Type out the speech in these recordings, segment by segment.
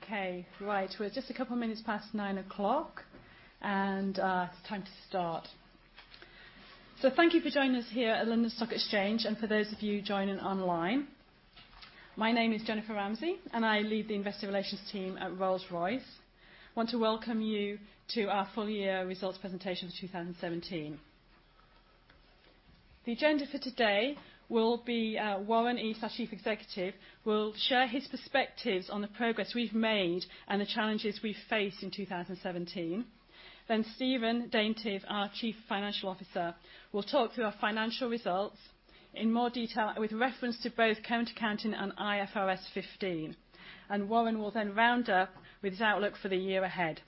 Okay. Right, we're just a couple minutes past 9:00 A.M. It's time to start. Thank you for joining us here at London Stock Exchange, and for those of you joining online. My name is Jennifer Ramsey. I lead the Investor Relations team at Rolls-Royce. I want to welcome you to our full year results presentation for 2017. The agenda for today will be Warren East, our Chief Executive, will share his perspectives on the progress we've made and the challenges we faced in 2017. Stephen Daintith, our Chief Financial Officer, will talk through our financial results in more detail with reference to both current accounting and IFRS 15. Warren will then round up with his outlook for the year ahead.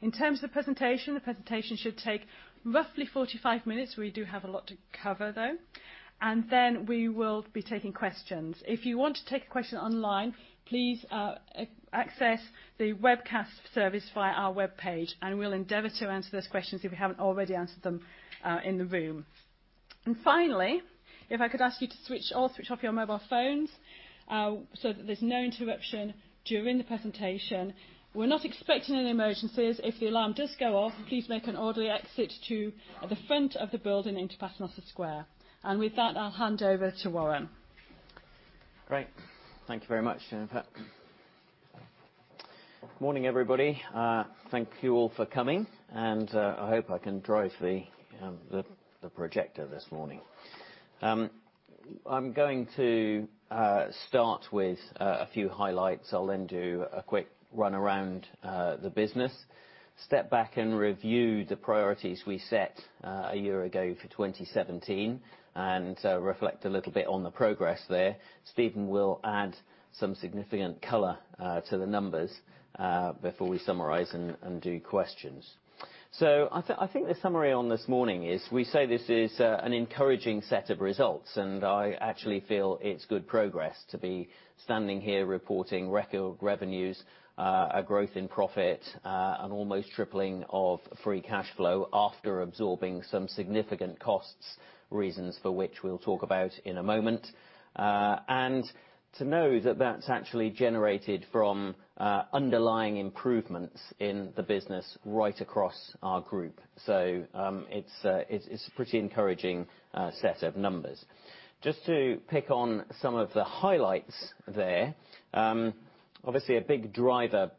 In terms of presentation, the presentation should take roughly 45 minutes. We do have a lot to cover, though. We will be taking questions. If you want to take a question online, please access the webcast service via our webpage. We'll endeavor to answer those questions if we haven't already answered them in the room. Finally, if I could ask you to switch off your mobile phones, that there's no interruption during the presentation. We're not expecting any emergencies. If the alarm does go off, please make an orderly exit to the front of the building into Paternoster Square. With that, I'll hand over to Warren. Great. Thank you very much, Jennifer. Morning, everybody. Thank you all for coming. I hope I can drive the projector this morning. I'm going to start with a few highlights. I'll then do a quick run around the business, step back and review the priorities we set a year ago for 2017, reflect a little bit on the progress there. Stephen will add some significant color to the numbers before we summarize and do questions. I think the summary on this morning is we say this is an encouraging set of results. I actually feel it's good progress to be standing here reporting record revenues, a growth in profit, an almost tripling of free cash flow after absorbing some significant costs, reasons for which we'll talk about in a moment. To know that that's actually generated from underlying improvements in the business right across our group. It's a pretty encouraging set of numbers. Just to pick on some of the highlights there. Obviously, a big driver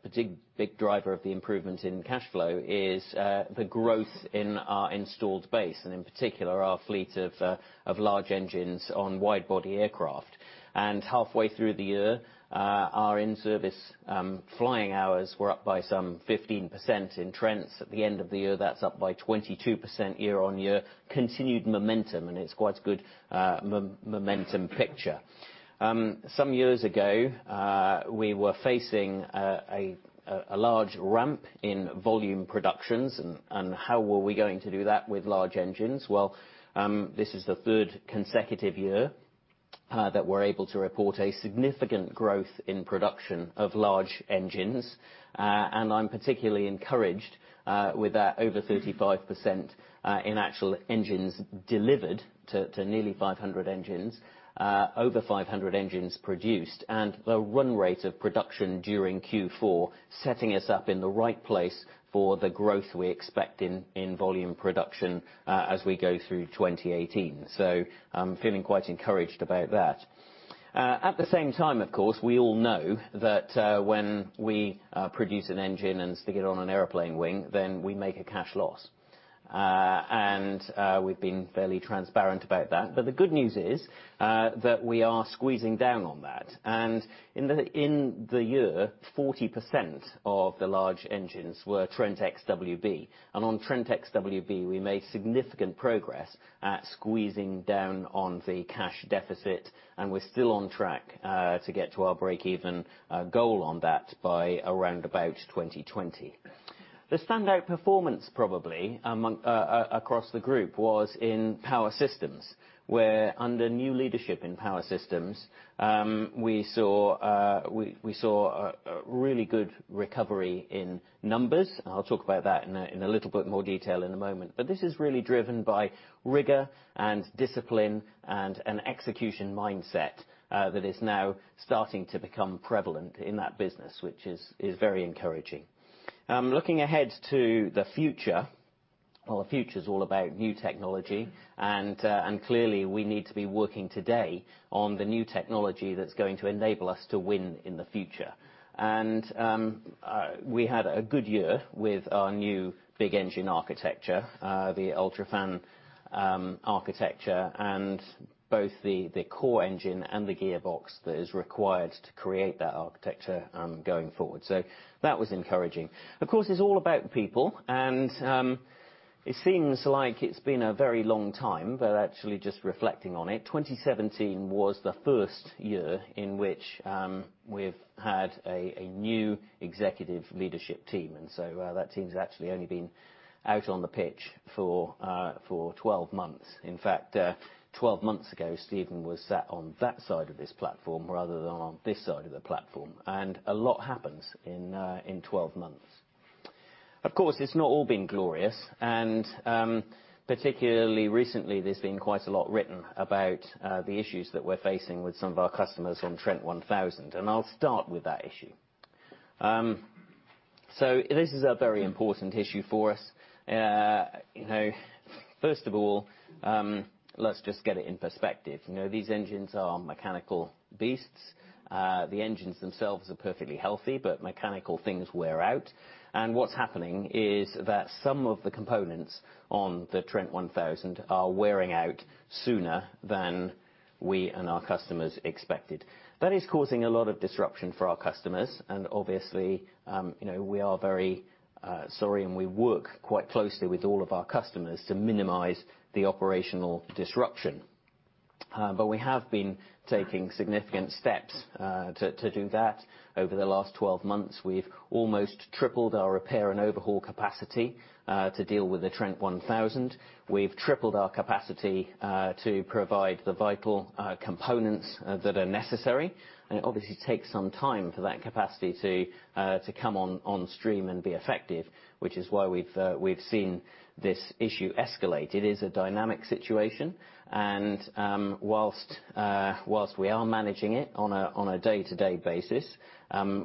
of the improvements in cash flow is the growth in our installed base, in particular, our fleet of large engines on wide-body aircraft. Halfway through the year, our in-service flying hours were up by some 15% in Trents at the end of the year. That's up by 22% year-on-year. Continued momentum. It's quite a good momentum picture. Some years ago, we were facing a large ramp in volume productions. How were we going to do that with large engines? Well, this is the third consecutive year that we're able to report a significant growth in production of large engines. I'm particularly encouraged with our over 35% in actual engines delivered to nearly 500 engines, over 500 engines produced, and the run rate of production during Q4 setting us up in the right place for the growth we expect in volume production as we go through 2018. I'm feeling quite encouraged about that. At the same time, of course, we all know that when we produce an engine and stick it on an airplane wing, we make a cash loss. We've been fairly transparent about that. The good news is that we are squeezing down on that. In the year, 40% of the large engines were Trent XWB. On Trent XWB, we made significant progress at squeezing down on the cash deficit, and we're still on track to get to our breakeven goal on that by around about 2020. The standout performance probably across the group was in Power Systems, where under new leadership in Power Systems, we saw a really good recovery in numbers. I'll talk about that in a little bit more detail in a moment. This is really driven by rigor and discipline and an execution mindset that is now starting to become prevalent in that business, which is very encouraging. Looking ahead to the future. The future's all about new technology and clearly we need to be working today on the new technology that's going to enable us to win in the future. We had a good year with our new big engine architecture, the UltraFan architecture and both the core engine and the gearbox that is required to create that architecture going forward. That was encouraging. Of course, it's all about people, and it seems like it's been a very long time, but actually just reflecting on it, 2017 was the first year in which we've had a new executive leadership team. That team's actually only been out on the pitch for 12 months. In fact, 12 months ago, Stephen was sat on that side of this platform rather than on this side of the platform. A lot happens in 12 months. Of course, it's not all been glorious. Particularly recently, there's been quite a lot written about the issues that we're facing with some of our customers on Trent 1000, and I'll start with that issue. This is a very important issue for us. First of all, let's just get it in perspective. These engines are mechanical beasts. The engines themselves are perfectly healthy, but mechanical things wear out. What's happening is that some of the components on the Trent 1000 are wearing out sooner than we and our customers expected. That is causing a lot of disruption for our customers, and obviously, we are very sorry, and we work quite closely with all of our customers to minimize the operational disruption. We have been taking significant steps to do that. Over the last 12 months, we've almost tripled our repair and overhaul capacity to deal with the Trent 1000. We've tripled our capacity to provide the vital components that are necessary, and it obviously takes some time for that capacity to come on stream and be effective, which is why we've seen this issue escalate. It is a dynamic situation. Whilst we are managing it on a day-to-day basis,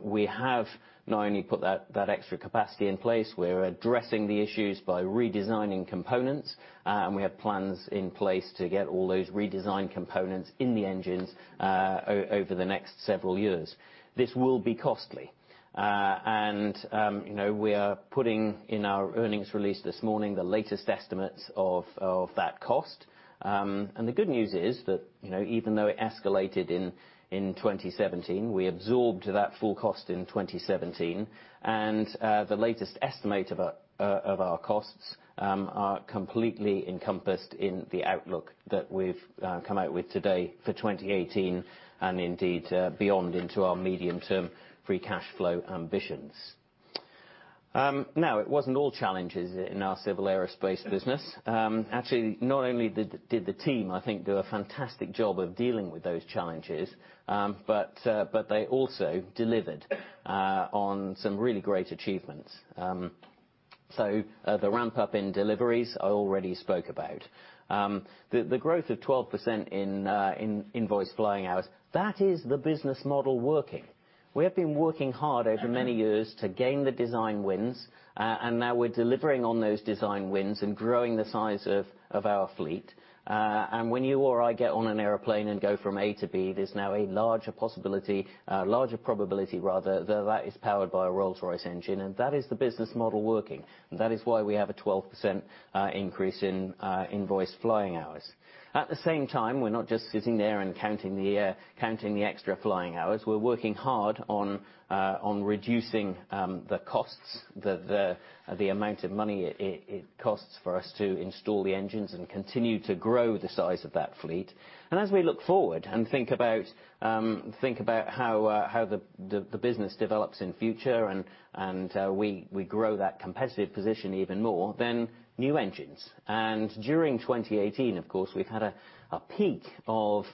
we have not only put that extra capacity in place, we're addressing the issues by redesigning components. We have plans in place to get all those redesigned components in the engines over the next several years. This will be costly. We are putting in our earnings release this morning, the latest estimates of that cost. The good news is that even though it escalated in 2017, we absorbed that full cost in 2017. The latest estimate of our costs are completely encompassed in the outlook that we've come out with today for 2018, and indeed, beyond into our medium-term free cash flow ambitions. It wasn't all challenges in our Civil Aerospace business. Not only did the team, I think, do a fantastic job of dealing with those challenges, but they also delivered on some really great achievements. The ramp-up in deliveries, I already spoke about. The growth of 12% in invoice flying hours, that is the business model working. We have been working hard over many years to gain the design wins, and now we're delivering on those design wins and growing the size of our fleet. When you or I get on an airplane and go from A to B, there's now a larger possibility, larger probability rather, that that is powered by a Rolls-Royce engine, and that is the business model working. That is why we have a 12% increase in invoiced flying hours. At the same time, we're not just sitting there and counting the extra flying hours. We're working hard on reducing the costs, the amount of money it costs for us to install the engines and continue to grow the size of that fleet. As we look forward and think about how the business develops in future and we grow that competitive position even more, then new engines. During 2018, of course, we've had a peak of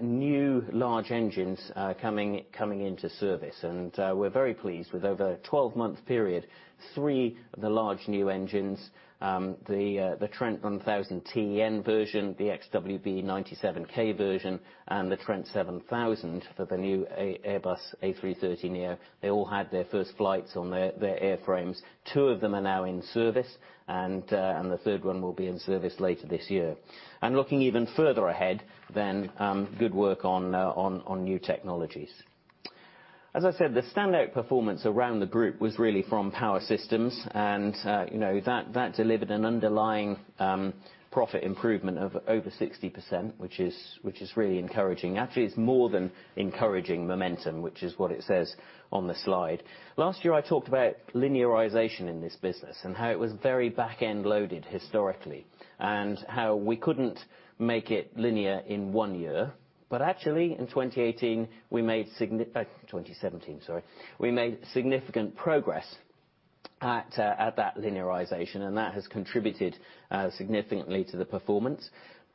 new large engines coming into service. We're very pleased with over a 12-month period, three of the large new engines, the Trent 1000-TEN version, the Trent XWB-97 version, and the Trent 7000 for the new Airbus A330neo. They all had their first flights on their airframes. Two of them are now in service, and the third one will be in service later this year. Looking even further ahead, then good work on new technologies. As I said, the standout performance around the group was really from Power Systems, and that delivered an underlying profit improvement of over 60%, which is really encouraging. Actually, it's more than encouraging momentum, which is what it says on the slide. Last year, I talked about linearization in this business and how it was very back-end loaded historically, and how we couldn't make it linear in one year. But actually, in 2017, sorry. We made significant progress at that linearization, and that has contributed significantly to the performance,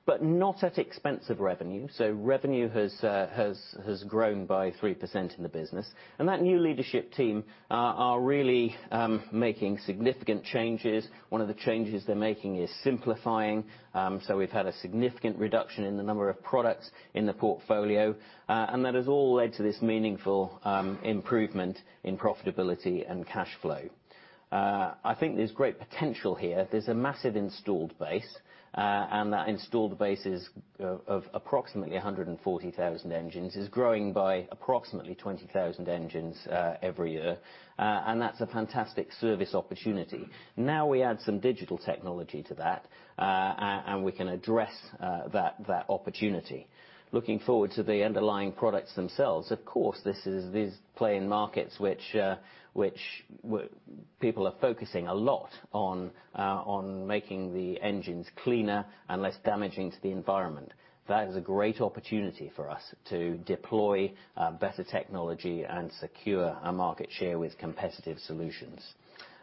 but not at the expense of revenue. Revenue has grown by 3% in the business. That new leadership team are really making significant changes. One of the changes they're making is simplifying. We've had a significant reduction in the number of products in the portfolio. That has all led to this meaningful improvement in profitability and cash flow. I think there's great potential here. There's a massive installed base, that installed base is of approximately 140,000 engines, is growing by approximately 20,000 engines every year. That's a fantastic service opportunity. We add some digital technology to that, and we can address that opportunity. Looking forward to the underlying products themselves, of course, this plays in markets which people are focusing a lot on making the engines cleaner and less damaging to the environment. That is a great opportunity for us to deploy better technology and secure our market share with competitive solutions.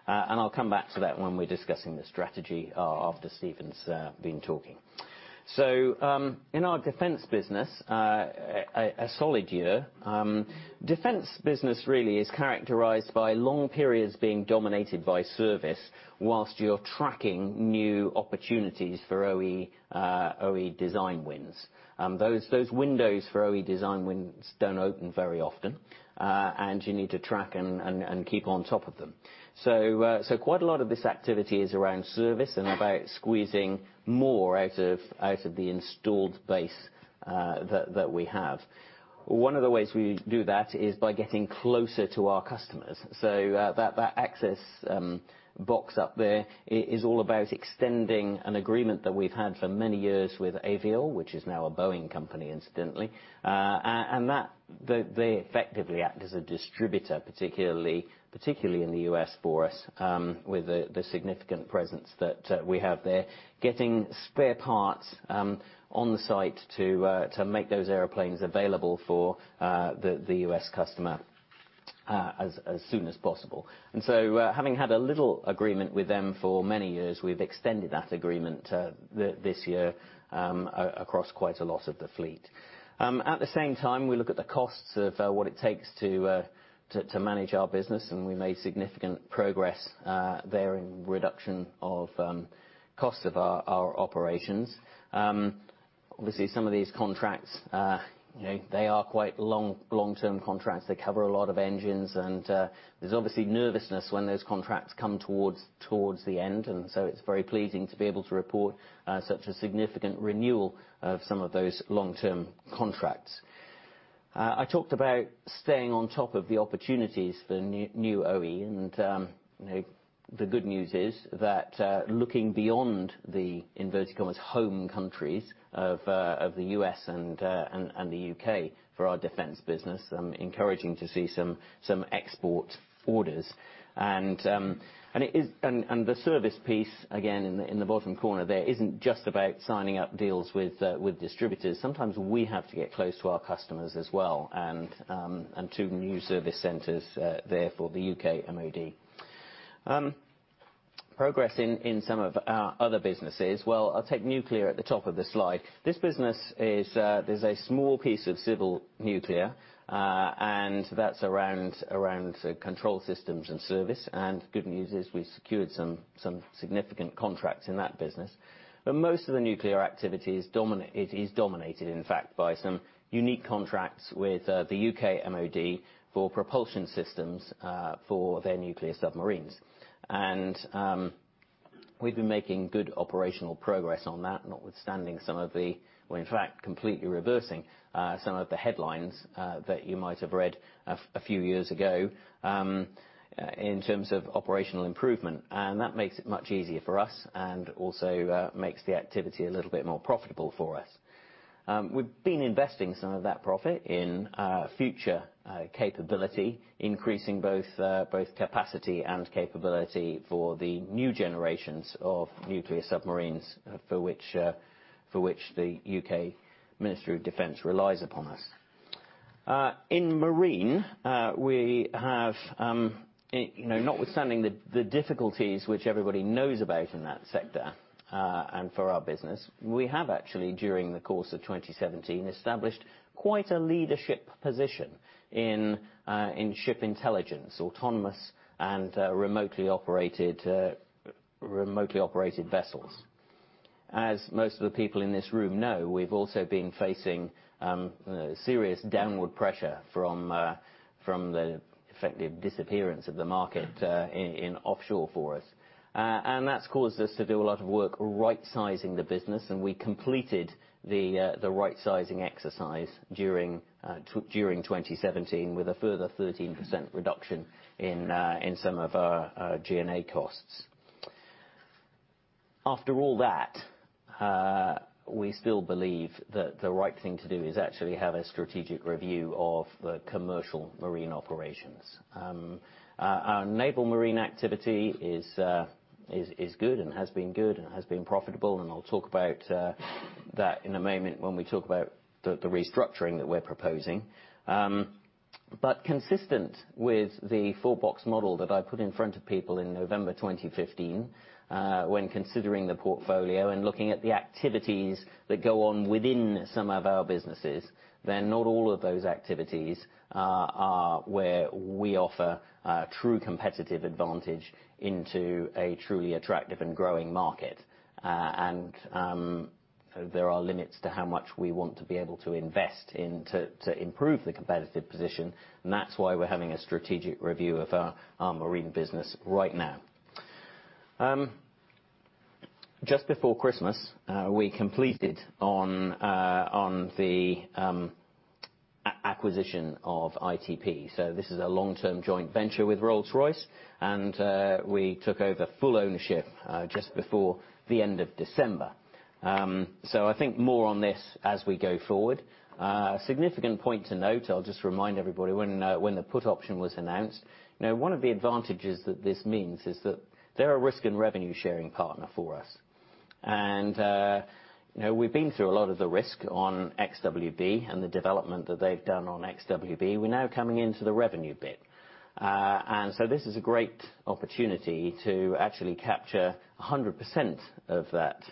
I'll come back to that when we're discussing the strategy after Stephen's been talking. In our defense business, a solid year. Defense business really is characterized by long periods being dominated by service, whilst you're tracking new opportunities for OE design wins. Those windows for OE design wins don't open very often. You need to track and keep on top of them. Quite a lot of this activity is around service and about squeezing more out of the installed base that we have. One of the ways we do that is by getting closer to our customers. That access box up there is all about extending an agreement that we've had for many years with Aviall, which is now a Boeing company, incidentally. They effectively act as a distributor, particularly in the U.S. for us, with the significant presence that we have there. Getting spare parts on the site to make those airplanes available for the U.S. customer as soon as possible. Having had a little agreement with them for many years, we've extended that agreement this year, across quite a lot of the fleet. At the same time, we look at the costs of what it takes to manage our business. We made significant progress there in reduction of costs of our operations. Obviously, some of these contracts, they are quite long-term contracts. They cover a lot of engines, and there's obviously nervousness when those contracts come towards the end. It's very pleasing to be able to report such a significant renewal of some of those long-term contracts. I talked about staying on top of the opportunities for new OE, and the good news is that looking beyond the inverted commas home countries of the U.S. and the U.K. for our defense business, encouraging to see some export orders. The service piece, again, in the bottom corner there, isn't just about signing up deals with distributors. Sometimes we have to get close to our customers as well, and two new service centers there for the U.K. MOD. Progress in some of our other businesses. I'll take nuclear at the top of the slide. There's a small piece of civil nuclear, and that's around control systems and service, and the good news is we secured some significant contracts in that business. Most of the nuclear activity is dominated, in fact, by some unique contracts with the U.K. MOD for propulsion systems for their nuclear submarines. We've been making good operational progress on that, notwithstanding some of the, in fact, completely reversing some of the headlines that you might have read a few years ago in terms of operational improvement. That makes it much easier for us and also makes the activity a little bit more profitable for us. We've been investing some of that profit in future capability, increasing both capacity and capability for the new generations of nuclear submarines for which the UK Ministry of Defence relies upon us. In Marine, we have, notwithstanding the difficulties which everybody knows about in that sector and for our business, we have actually, during the course of 2017, established quite a leadership position in ship intelligence, autonomous and remotely operated vessels. As most of the people in this room know, we've also been facing serious downward pressure from the effective disappearance of the market in offshore vessels. That's caused us to do a lot of work right-sizing the business. We completed the right-sizing exercise during 2017 with a further 13% reduction in some of our G&A costs. After all that, we still believe that the right thing to do is actually have a strategic review of the commercial marine operations. Our naval marine activity is good and has been good and has been profitable, and I'll talk about that in a moment when we talk about the restructuring that we're proposing. Consistent with the four-box model that I put in front of people in November 2015, when considering the portfolio and looking at the activities that go on within some of our businesses, then not all of those activities are where we offer a true competitive advantage into a truly attractive and growing market. There are limits to how much we want to be able to invest in to improve the competitive position, and that's why we're having a strategic review of our marine business right now. Just before Christmas, we completed on the acquisition of ITP. This is a long-term joint venture with Rolls-Royce, and we took over full ownership just before the end of December. I think more on this as we go forward. A significant point to note, I'll just remind everybody, when the put option was announced. One of the advantages that this means is that they're a risk and revenue-sharing partner for us. We've been through a lot of the risk on XWB and the development that they've done on XWB. We're now coming into the revenue bit. This is a great opportunity to actually capture 100% of that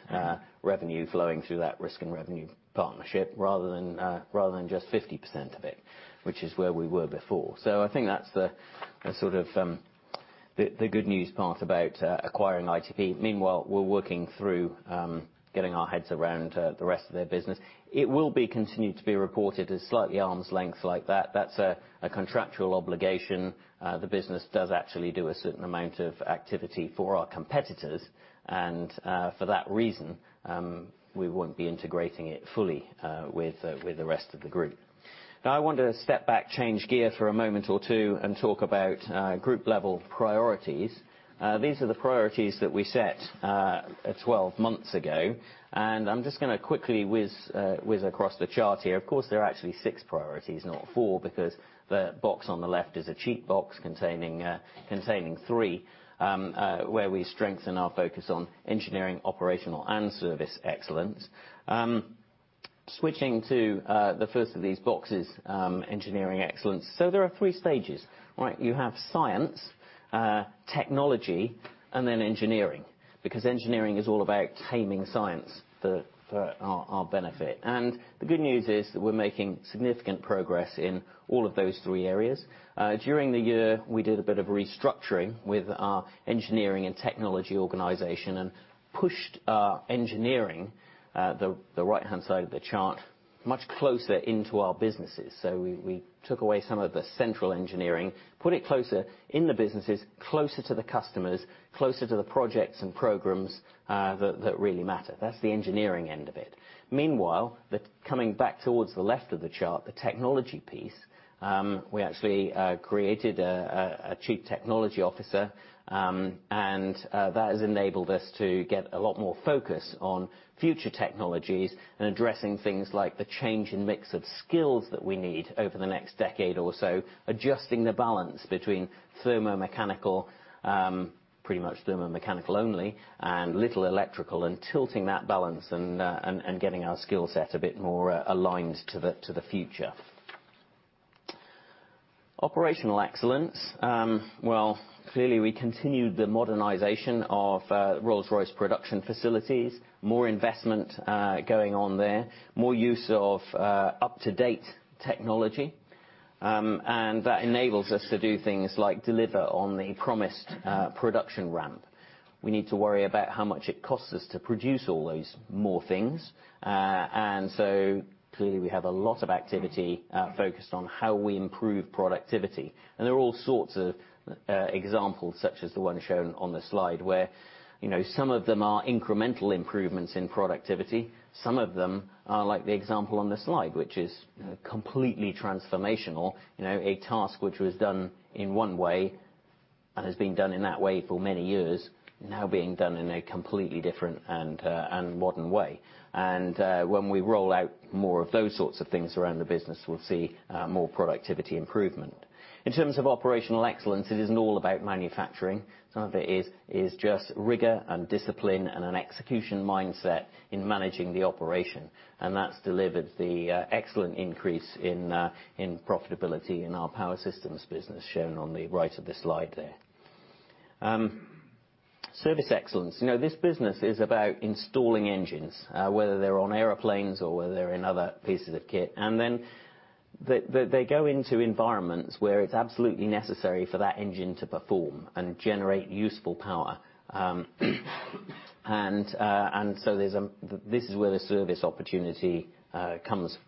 revenue flowing through that risk and revenue partnership, rather than just 50% of it, which is where we were before. I think that's the good news part about acquiring ITP. Meanwhile, we're working through getting our heads around the rest of their business. It will be continued to be reported as slightly arm's length like that. That's a contractual obligation. The business does actually do a certain amount of activity for our competitors. For that reason, we won't be integrating it fully with the rest of the group. Now I want to step back, change gear for a moment or two, and talk about group-level priorities. These are the priorities that we set 12 months ago. I'm just going to quickly whiz across the chart here. Of course, there are actually six priorities, not four, because the box on the left is a cheat box containing three, where we strengthen our focus on engineering, operational, and service excellence. Switching to the first of these boxes, engineering excellence. There are three stages, right? You have science, technology, and then engineering, because engineering is all about taming science for our benefit. The good news is that we're making significant progress in all of those three areas. During the year, we did a bit of restructuring with our engineering and technology organization and pushed our engineering, the right-hand side of the chart, much closer into our businesses. We took away some of the central engineering, put it closer in the businesses, closer to the customers, closer to the projects and programs that really matter. That's the engineering end of it. Meanwhile, coming back towards the left of the chart, the technology piece, we actually created a chief technology officer. That has enabled us to get a lot more focus on future technologies and addressing things like the change in mix of skills that we need over the next decade or so, adjusting the balance between thermomechanical, pretty much thermomechanical only, and little electrical, and tilting that balance and getting our skill set a bit more aligned to the future. Operational excellence. Well, clearly we continued the modernization of Rolls-Royce production facilities. More investment going on there. More use of up-to-date technology. That enables us to do things like deliver on the promised production ramp. We need to worry about how much it costs us to produce all those more things. Clearly, we have a lot of activity focused on how we improve productivity. There are all sorts of examples, such as the one shown on the slide, where some of them are incremental improvements in productivity. Some of them are like the example on the slide, which is completely transformational. A task which was done in one way and has been done in that way for many years now being done in a completely different and modern way. When we roll out more of those sorts of things around the business, we'll see more productivity improvement. In terms of operational excellence, it isn't all about manufacturing. Some of it is just rigor and discipline and an execution mindset in managing the operation. That's delivered the excellent increase in profitability in our Power Systems business shown on the right of the slide there. Service excellence. This business is about installing engines, whether they're on airplanes or whether they're in other pieces of kit. Then they go into environments where it's absolutely necessary for that engine to perform and generate useful power. This is where the service opportunity comes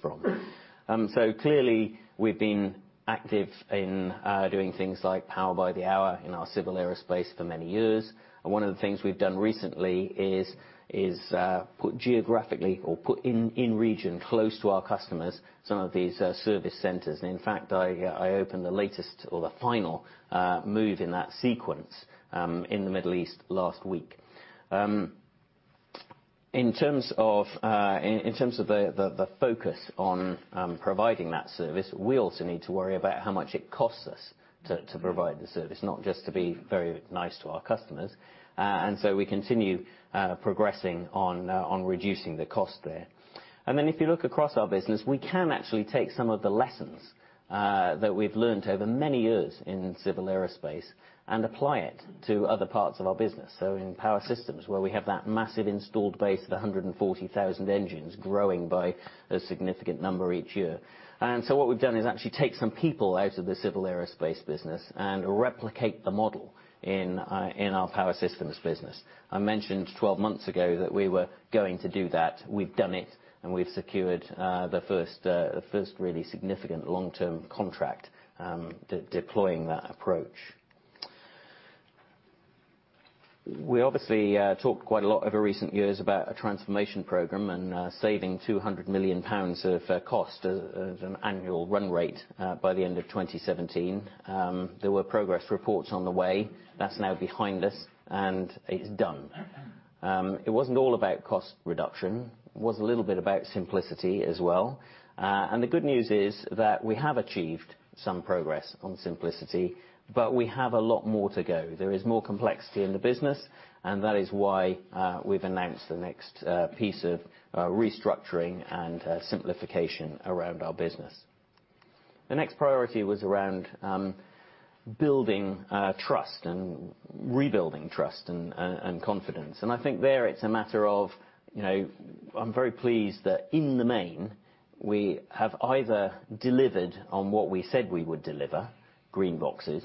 from. Clearly, we've been active in doing things like Power by the Hour in our Civil Aerospace for many years. One of the things we've done recently is put geographically or put in region close to our customers some of these service centers. In fact, I opened the latest or the final move in that sequence, in the Middle East last week. In terms of the focus on providing that service, we also need to worry about how much it costs us to provide the service, not just to be very nice to our customers. We continue progressing on reducing the cost there. If you look across our business, we can actually take some of the lessons that we've learnt over many years in Civil Aerospace and apply it to other parts of our business. In Power Systems, where we have that massive installed base of 140,000 engines growing by a significant number each year. What we've done is actually take some people out of the Civil Aerospace business and replicate the model in our Power Systems business. I mentioned 12 months ago that we were going to do that. We've done it, and we've secured the first really significant long-term contract deploying that approach. We obviously talked quite a lot over recent years about a transformation program and saving 200 million pounds of cost at an annual run rate by the end of 2017. There were progress reports on the way. That's now behind us, and it's done. It wasn't all about cost reduction, it was a little bit about simplicity as well. The good news is that we have achieved some progress on simplicity, but we have a lot more to go. There is more complexity in the business, and that is why we've announced the next piece of restructuring and simplification around our business. The next priority was around building trust and rebuilding trust and confidence. I think there it's a matter of, I'm very pleased that in the main, we have either delivered on what we said we would deliver, green boxes,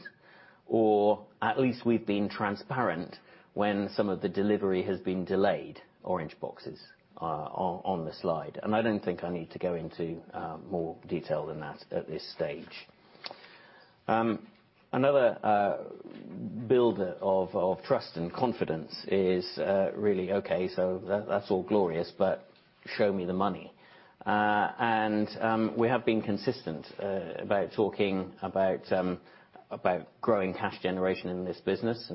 or at least we've been transparent when some of the delivery has been delayed, orange boxes, on the slide. I don't think I need to go into more detail than that at this stage. Another builder of trust and confidence is really, okay, so that's all glorious, but show me the money. We have been consistent about talking about growing cash generation in this business.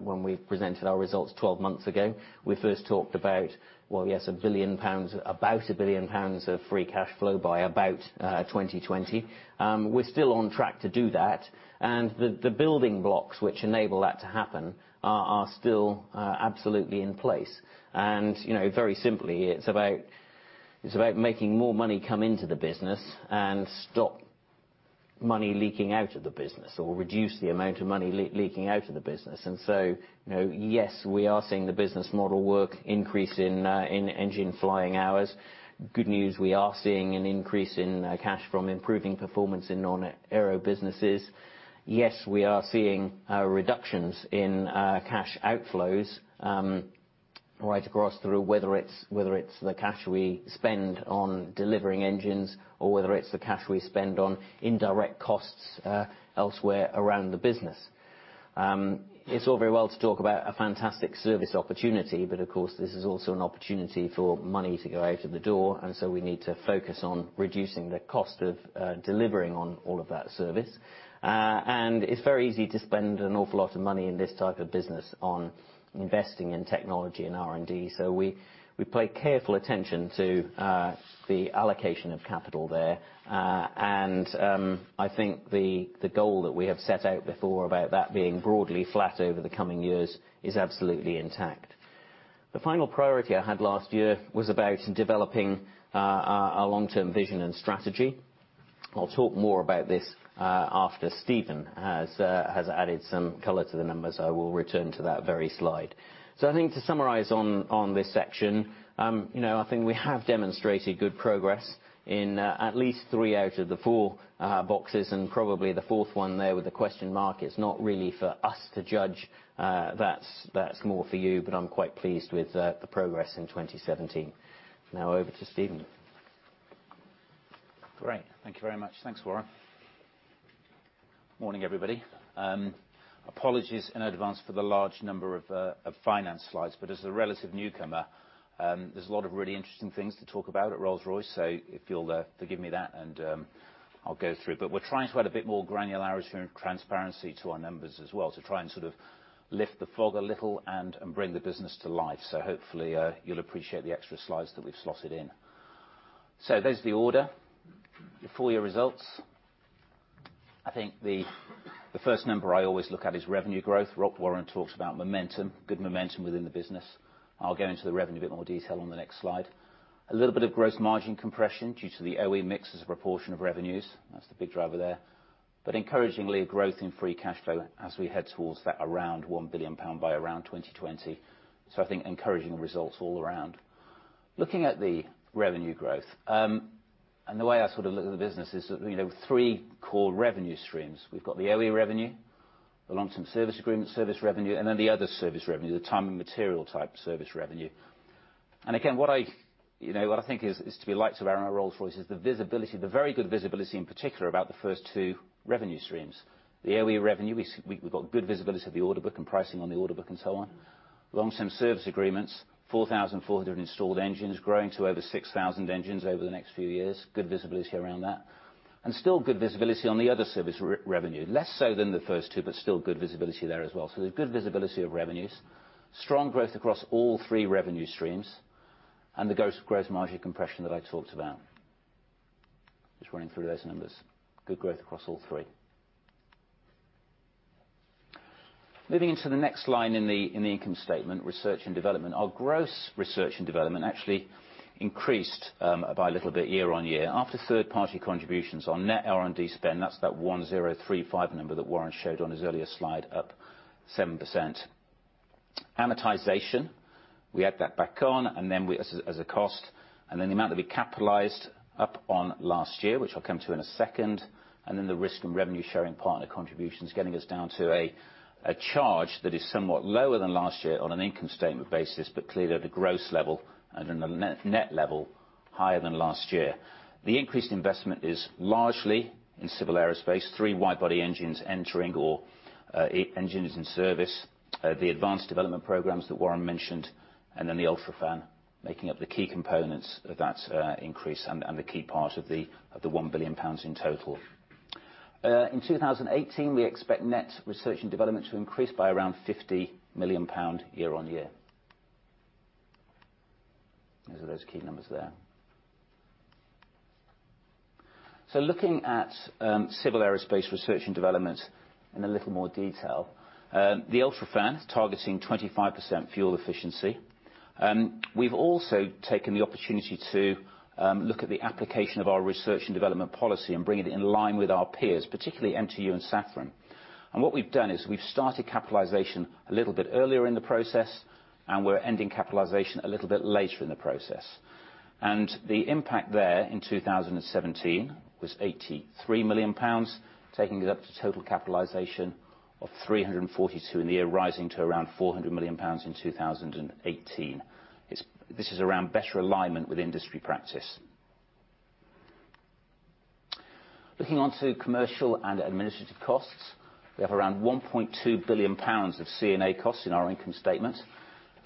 When we presented our results 12 months ago, we first talked about, well, yes, about 1 billion pounds of free cash flow by about 2020. We're still on track to do that, and the building blocks which enable that to happen are still absolutely in place. Very simply, it's about making more money come into the business and stop money leaking out of the business or reduce the amount of money leaking out of the business. Yes, we are seeing the business model work increase in engine flying hours. Good news, we are seeing an increase in cash from improving performance in non-aero businesses. Yes, we are seeing reductions in cash outflows right across through, whether it's the cash we spend on delivering engines or whether it's the cash we spend on indirect costs elsewhere around the business. It's all very well to talk about a fantastic service opportunity, but of course, this is also an opportunity for money to go out of the door, and so we need to focus on reducing the cost of delivering on all of that service. It's very easy to spend an awful lot of money in this type of business on investing in technology and R&D. We pay careful attention to the allocation of capital there. I think the goal that we have set out before about that being broadly flat over the coming years is absolutely intact. The final priority I had last year was about developing our long-term vision and strategy. I'll talk more about this after Stephen has added some color to the numbers. I will return to that very slide. I think to summarize on this section, I think we have demonstrated good progress in at least three out of the four boxes and probably the fourth one there with the question mark. It's not really for us to judge. That's more for you, but I'm quite pleased with the progress in 2017. Over to Stephen. Great. Thank you very much. Thanks, Warren. Morning, everybody. Apologies in advance for the large number of finance slides, but as a relative newcomer, there's a lot of really interesting things to talk about at Rolls-Royce, if you'll forgive me that, I'll go through. We're trying to add a bit more granularity and transparency to our numbers as well to try and sort of lift the fog a little and bring the business to life. Hopefully you'll appreciate the extra slides that we've slotted in. There's the order. The full year results. I think the first number I always look at is revenue growth. Warren talked about momentum, good momentum within the business. I'll go into the revenue in a bit more detail on the next slide. A little bit of gross margin compression due to the OE mix as a proportion of revenues. That's the big driver there. Encouragingly, growth in free cash flow as we head towards that around 1 billion pound by around 2020. I think encouraging results all around. Looking at the revenue growth. The way I sort of look at the business is sort of three core revenue streams. We've got the OE revenue, the long-term service agreement service revenue, and then the other service revenue, the time and material type service revenue. Again, what I think is to be liked about Rolls-Royce is the visibility, the very good visibility in particular about the first two revenue streams. The OE revenue, we've got good visibility of the order book and pricing on the order book and so on. Long-term service agreements, 4,400 installed engines growing to over 6,000 engines over the next few years. Good visibility around that. Still good visibility on the other service revenue. Less so than the first two, still good visibility there as well. There's good visibility of revenues, strong growth across all three revenue streams, and the gross margin compression that I talked about. Just running through those numbers. Good growth across all three. Moving into the next line in the income statement, research and development. Our gross research and development actually increased by a little bit year on year. After third-party contributions on net R&D spend, that's that 1,035 number that Warren showed on his earlier slide, up 7%. Amortization, we add that back on and then as a cost, and then the amount that we capitalized up on last year, which I'll come to in a second, and then the risk and revenue-sharing partner contributions getting us down to a charge that is somewhat lower than last year on an income statement basis, but clearly at a gross level and at a net level higher than last year. The increased investment is largely in Civil Aerospace, three wide-body engines entering or engines in service, the advanced development programs that Warren mentioned, and then the UltraFan making up the key components of that increase and the key part of the 1 billion pounds in total. In 2018, we expect net research and development to increase by around 50 million pound year-on-year. Those are those key numbers there. Looking at Civil Aerospace research and development in a little more detail. The UltraFan is targeting 25% fuel efficiency. We've also taken the opportunity to look at the application of our research and development policy and bring it in line with our peers, particularly MTU and Safran. What we've done is we've started capitalization a little bit earlier in the process, and we're ending capitalization a little bit later in the process. The impact there in 2017 was 83 million pounds, taking it up to total capitalization of 342 million in the year, rising to around 400 million pounds in 2018. This is around better alignment with industry practice. Looking onto commercial and administrative costs. We have around 1.2 billion pounds of C&A costs in our income statement.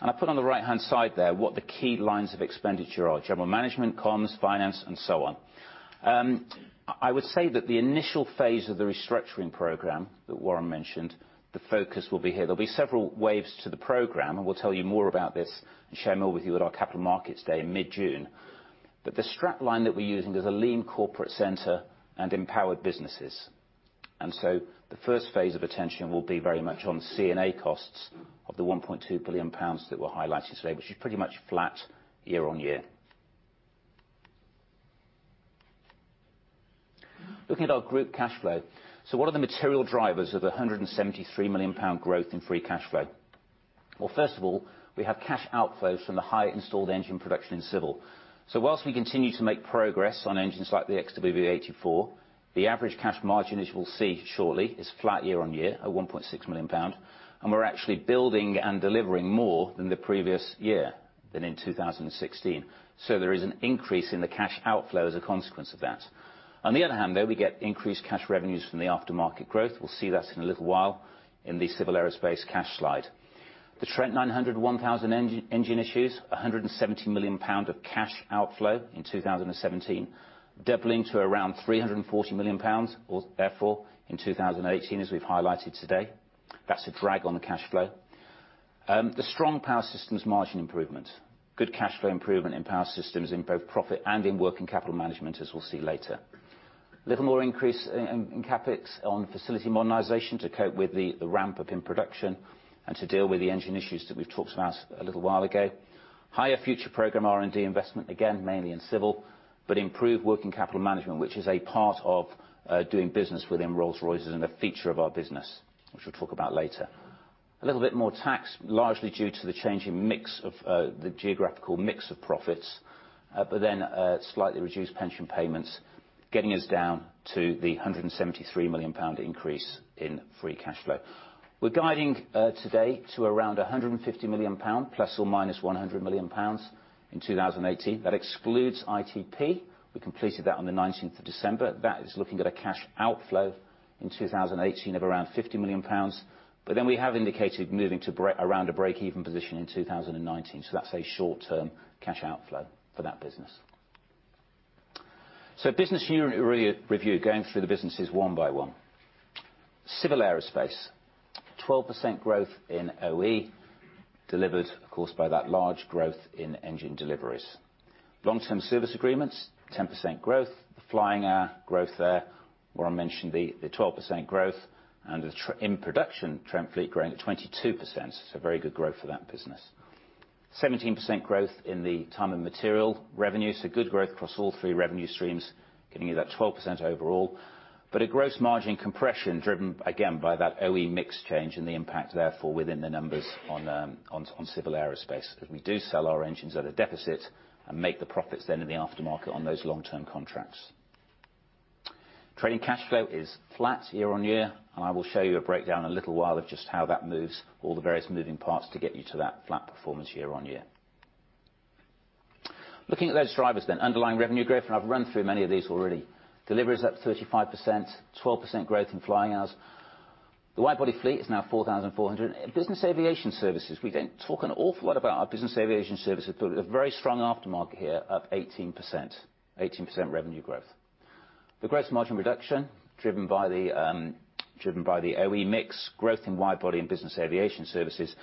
I put on the right-hand side there what the key lines of expenditure are, general management, comms, finance, and so on. I would say that the initial phase of the restructuring program that Warren mentioned, the focus will be here. There'll be several waves to the program, and we'll tell you more about this and share more with you at our capital markets day in mid-June. The strap line that we're using is a lean corporate center and empowered businesses. The first phase of attention will be very much on C&A costs of the 1.2 billion pounds that we're highlighting today, which is pretty much flat year-on-year. Looking at our group cash flow. What are the material drivers of the 173 million pound growth in free cash flow? Well, first of all, we have cash outflows from the high installed engine production in civil. Whilst we continue to make progress on engines like the XWB-84, the average cash margin, as you will see shortly, is flat year-on-year at 1.6 million pounds. We're actually building and delivering more than the previous year, than in 2016. There is an increase in the cash outflow as a consequence of that. On the other hand, though, we get increased cash revenues from the aftermarket growth. We'll see that in a little while in the Civil Aerospace cash slide. The Trent 900/1000 engine issues, 170 million pound of cash outflow in 2017, doubling to around 340 million pounds or therefore, in 2018, as we've highlighted today. That's a drag on the cash flow. The strong Power Systems margin improvement. Good cash flow improvement in Power Systems in both profit and in working capital management, as we'll see later. A little more increase in CapEx on facility modernization to cope with the ramp-up in production and to deal with the engine issues that we've talked about a little while ago. Higher future program R&D investment, again, mainly in Civil Aerospace, improved working capital management, which is a part of doing business within Rolls-Royce and a feature of our business, which we'll talk about later. A little bit more tax, largely due to the change in mix of the geographical mix of profits, slightly reduced pension payments, getting us down to the 173 million pound increase in free cash flow. We're guiding today to around 150 million pound, plus or minus 100 million pounds in 2018. That excludes ITP. We completed that on the 19th of December. That is looking at a cash outflow in 2018 of around 50 million pounds. We have indicated moving to around a break-even position in 2019. That's a short-term cash outflow for that business. Business unit review, going through the businesses one by one. Civil Aerospace, 12% growth in OE, delivered, of course, by that large growth in engine deliveries. Long-term service agreements, 10% growth. The flying hour growth there, Warren mentioned the 12% growth, and in production, Trent fleet growing at 22%, very good growth for that business. 17% growth in the time and material revenue, good growth across all three revenue streams, getting you that 12% overall. A gross margin compression driven, again, by that OE mix change and the impact, therefore, within the numbers on Civil Aerospace, as we do sell our engines at a deficit and make the profits then in the aftermarket on those long-term contracts. Trading cash flow is flat year-over-year, I will show you a breakdown in a little while of just how that moves all the various moving parts to get you to that flat performance year-over-year. Looking at those drivers. Underlying revenue growth, I've run through many of these already. Deliveries up 35%, 12% growth in flying hours. The wide-body fleet is now 4,400. Business aviation services. We don't talk an awful lot about our business aviation services, a very strong aftermarket here of 18%, 18% revenue growth. The gross margin reduction driven by the OE mix growth in wide-body and business aviation services.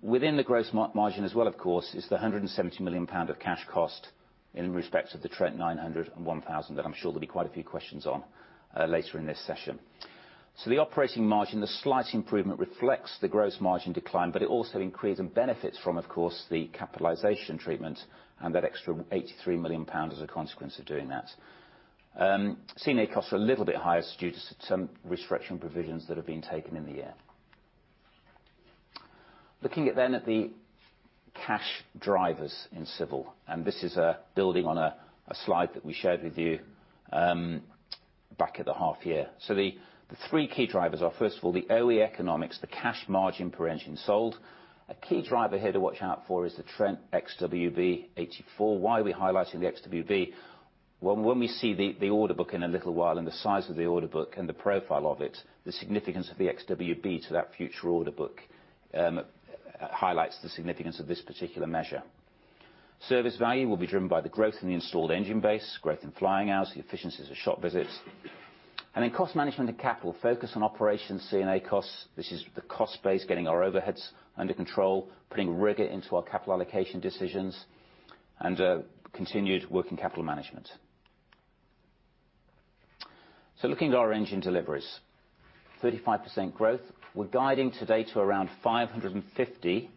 Within the gross margin as well, of course, is the 170 million pound of cash cost in respect of the Trent 900 and 1000 that I'm sure there'll be quite a few questions on later in this session. The operating margin, the slight improvement reflects the gross margin decline, it also increases and benefits from, of course, the capitalization treatment and that extra 83 million pounds as a consequence of doing that. C&A costs are a little bit higher due to some restructuring provisions that have been taken in the year. Looking at the cash drivers in Civil Aerospace, this is building on a slide that we shared with you back at the half year. The three key drivers are, first of all, the OE economics, the cash margin per engine sold. A key driver here to watch out for is the Trent XWB-84. Why are we highlighting the XWB? When we see the order book in a little while and the size of the order book and the profile of it, the significance of the XWB to that future order book highlights the significance of this particular measure. Service value will be driven by the growth in the installed engine base, growth in flying hours, the efficiencies of shop visits. Cost management and capital focus on operations C&A costs. This is the cost base, getting our overheads under control, putting rigor into our capital allocation decisions, and continued working capital management. Looking at our engine deliveries, 35% growth. We are guiding today to around 550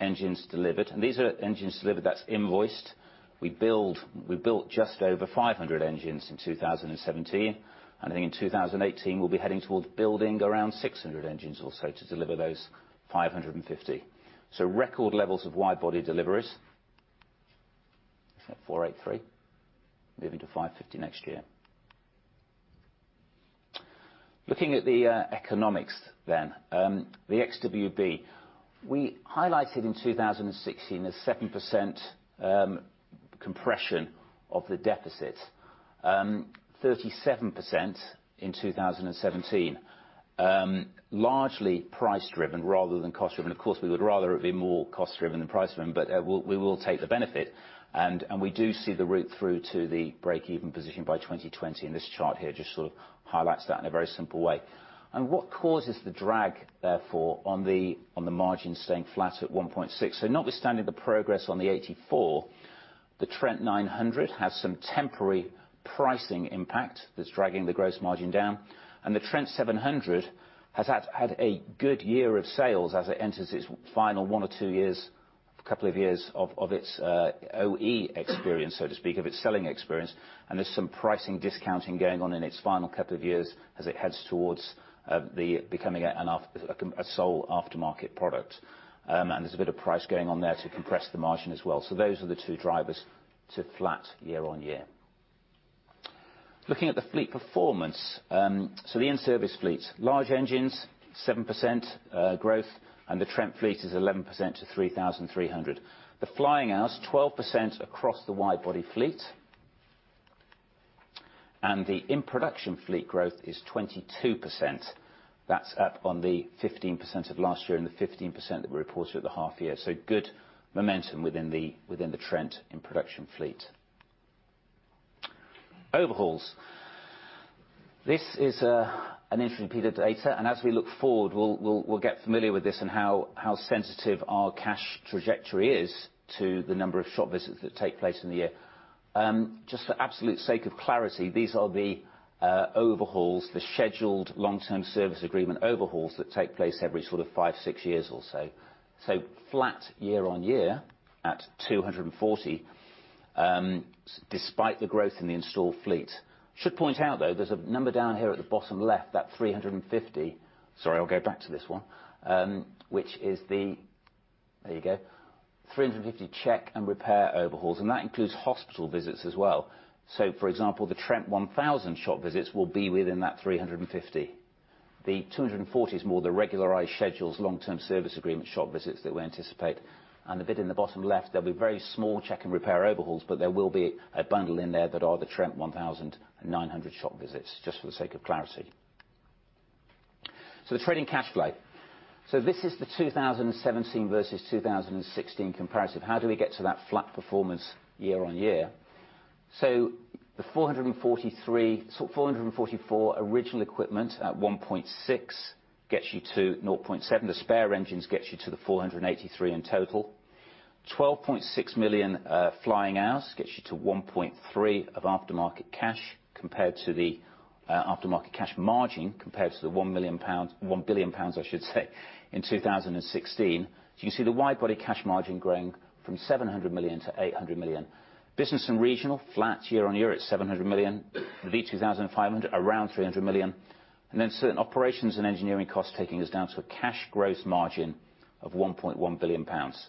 engines delivered, and these are engines delivered that is invoiced. We built just over 500 engines in 2017, and I think in 2018 we will be heading towards building around 600 engines or so to deliver those 550. Record levels of wide body deliveries. It is at 483, moving to 550 next year. Looking at the economics. The XWB, we highlighted in 2016 a 7% compression of the deficit. 37% in 2017. Largely price-driven rather than cost-driven. Of course, we would rather it be more cost-driven than price-driven, but we will take the benefit. We do see the route through to the break-even position by 2020, and this chart here just sort of highlights that in a very simple way. What causes the drag, therefore, on the margin staying flat at 1.6? Notwithstanding the progress on the 84, the Trent 900 has some temporary pricing impact that is dragging the gross margin down, and the Trent 700 has had a good year of sales as it enters its final one or two years, couple of years of its OE experience, so to speak, of its selling experience. There is some pricing discounting going on in its final couple of years as it heads towards becoming a sole aftermarket product. There is a bit of price going on there to compress the margin as well. Those are the two drivers to flat year-on-year. Looking at the fleet performance. The in-service fleet. Large engines, 7% growth, and the Trent fleet is 11% to 3,300. The flying hours, 12% across the wide body fleet. The in-production fleet growth is 22%. That is up on the 15% of last year and the 15% that we reported at the half year. Good momentum within the Trent in production fleet. Overhauls. This is an interesting piece of data, and as we look forward, we will get familiar with this and how sensitive our cash trajectory is to the number of shop visits that take place in the year. Just for absolute sake of clarity, these are the scheduled long-term service agreement overhauls that take place every five, six years or so. Flat year-on-year at 240, despite the growth in the installed fleet. Should point out, though, there is a number down here at the bottom left, that 350. Sorry, I will go back to this one. There you go. 350 check and repair overhauls, and that includes hospital visits as well. For example, the Trent 1000 shop visits will be within that 350. The 240 is more the regularized schedules long-term service agreement shop visits that we anticipate. The bit in the bottom left, there will be very small check and repair overhauls, but there will be a bundle in there that are the Trent 1000 and 900 shop visits, just for the sake of clarity. The trading cash flow. This is the 2017 versus 2016 comparative. How do we get to that flat performance year-over-year? The 444 original equipment at 1.6 million gets you to 0.7 billion. The spare engines gets you to the 483 in total. 12.6 million flying hours gets you to 1.3 billion of aftermarket cash compared to the aftermarket cash margin compared to the 1 billion pounds, I should say, in 2016. You see the wide body cash margin growing from 700 million to 800 million. Business and regional, flat year-over-year at 700 million. V2500, around 300 million. Certain operations and engineering costs taking us down to a cash growth margin of 1.1 billion pounds.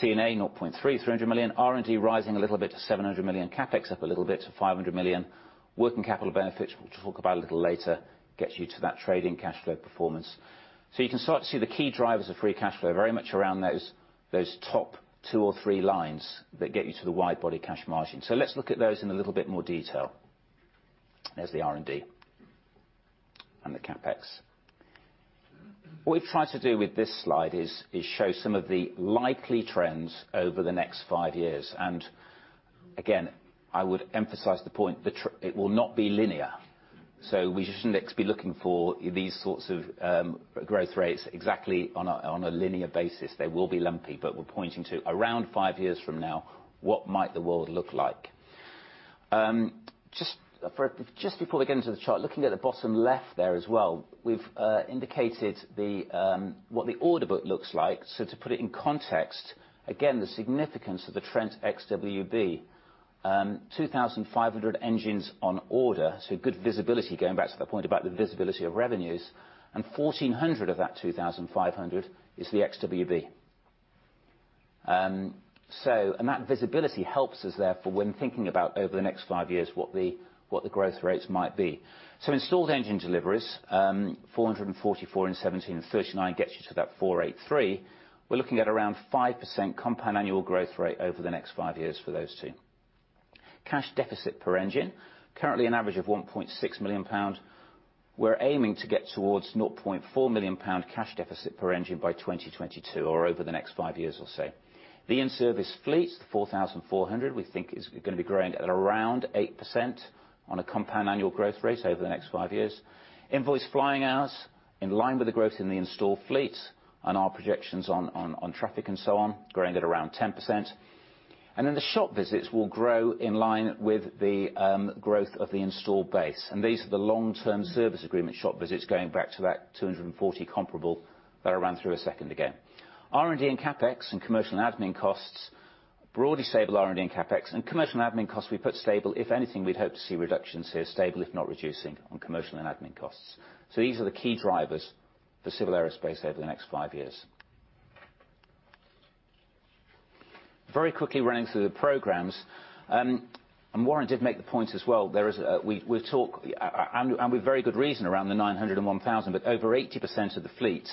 C&A, 0.3 billion, 300 million. R&D rising a little bit to 700 million. CapEx up a little bit to 500 million. Working capital benefits, which we will talk about a little later, gets you to that trading cash flow performance. You can start to see the key drivers of free cash flow very much around those top two or three lines that get you to the wide body cash margin. Let's look at those in a little bit more detail. There's the R&D and the CapEx. What we've tried to do with this slide is show some of the likely trends over the next five years. Again, I would emphasize the point that it will not be linear. We shouldn't just be looking for these sorts of growth rates exactly on a linear basis. They will be lumpy, but we're pointing to around five years from now, what might the world look like? Just before we get into the chart, looking at the bottom left there as well, we've indicated what the order book looks like. To put it in context, again, the significance of the Trent XWB. 2,500 engines on order, good visibility, going back to the point about the visibility of revenues, and 1,400 of that 2,500 is the XWB. That visibility helps us, therefore, when thinking about over the next five years what the growth rates might be. Installed engine deliveries, 444 in 2017 and 39 gets you to that 483. We're looking at around 5% compound annual growth rate over the next five years for those two. Cash deficit per engine, currently an average of 1.6 million pounds. We're aiming to get towards 0.4 million pound cash deficit per engine by 2022 or over the next five years or so. The in-service fleet, the 4,400, we think is going to be growing at around 8% on a compound annual growth rate over the next five years. Invoice flying hours, in line with the growth in the installed fleet on our projections on traffic and so on, growing at around 10%. Then the shop visits will grow in line with the growth of the installed base. These are the long-term service agreement shop visits going back to that 240 comparable that I ran through a second ago. R&D and CapEx and commercial and admin costs, broadly stable R&D and CapEx, and commercial and admin costs we put stable. If anything, we'd hope to see reductions here, stable if not reducing on commercial and admin costs. These are the key drivers for Civil Aerospace over the next five years. Very quickly running through the programs, Warren did make the point as well, and with very good reason, around the 900 and 1,000, but over 80% of the fleet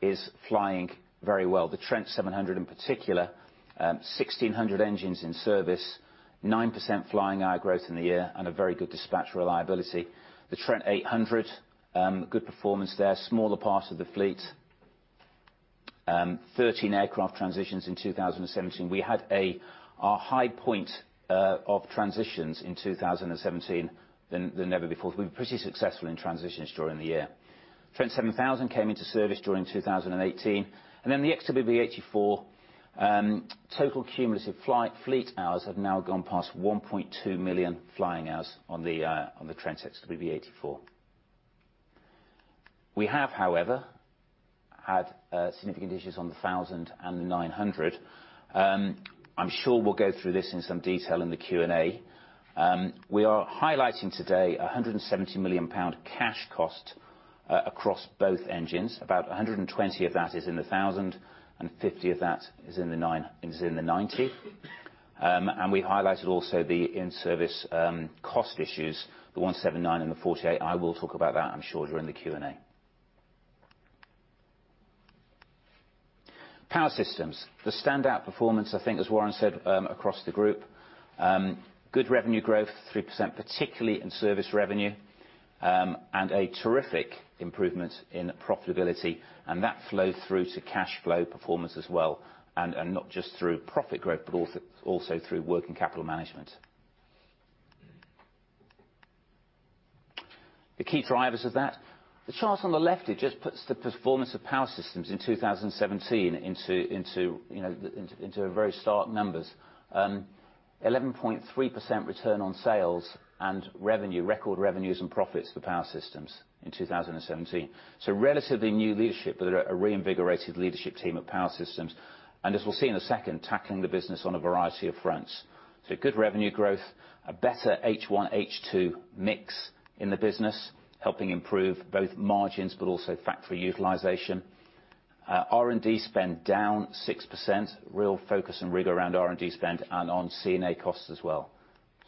is flying very well. The Trent 700 in particular, 1,600 engines in service, 9% flying hour growth in the year and a very good dispatch reliability. The Trent 800, good performance there. Smaller part of the fleet. 13 aircraft transitions in 2017. We had a high point of transitions in 2017 than ever before. We were pretty successful in transitions during the year. Trent 7000 came into service during 2018. The XWB-84, total cumulative fleet hours have now gone past 1.2 million flying hours on the Trent XWB-84. We have, however, had significant issues on the 1000 and the 900. I'm sure we'll go through this in some detail in the Q&A. We are highlighting today 170 million pound cash cost across both engines. About 120 of that is in the 1000, and 50 of that is in the 900. We highlighted also the in-service cost issues, the 179 and the 48. I will talk about that, I'm sure, during the Q&A. Power Systems, the standout performance, I think, as Warren said, across the group. Good revenue growth, 3%, particularly in service revenue, and a terrific improvement in profitability. That flows through to cash flow performance as well, not just through profit growth, but also through working capital management. The key drivers of that. The chart on the left, it just puts the performance of Power Systems in 2017 into very stark numbers. 11.3% return on sales and revenue, record revenues and profits for Power Systems in 2017. Relatively new leadership, but a reinvigorated leadership team at Power Systems. As we'll see in a second, tackling the business on a variety of fronts. Good revenue growth, a better H1, H2 mix in the business, helping improve both margins, but also factory utilization. R&D spend down 6%, real focus and rigor around R&D spend and on C&A costs as well.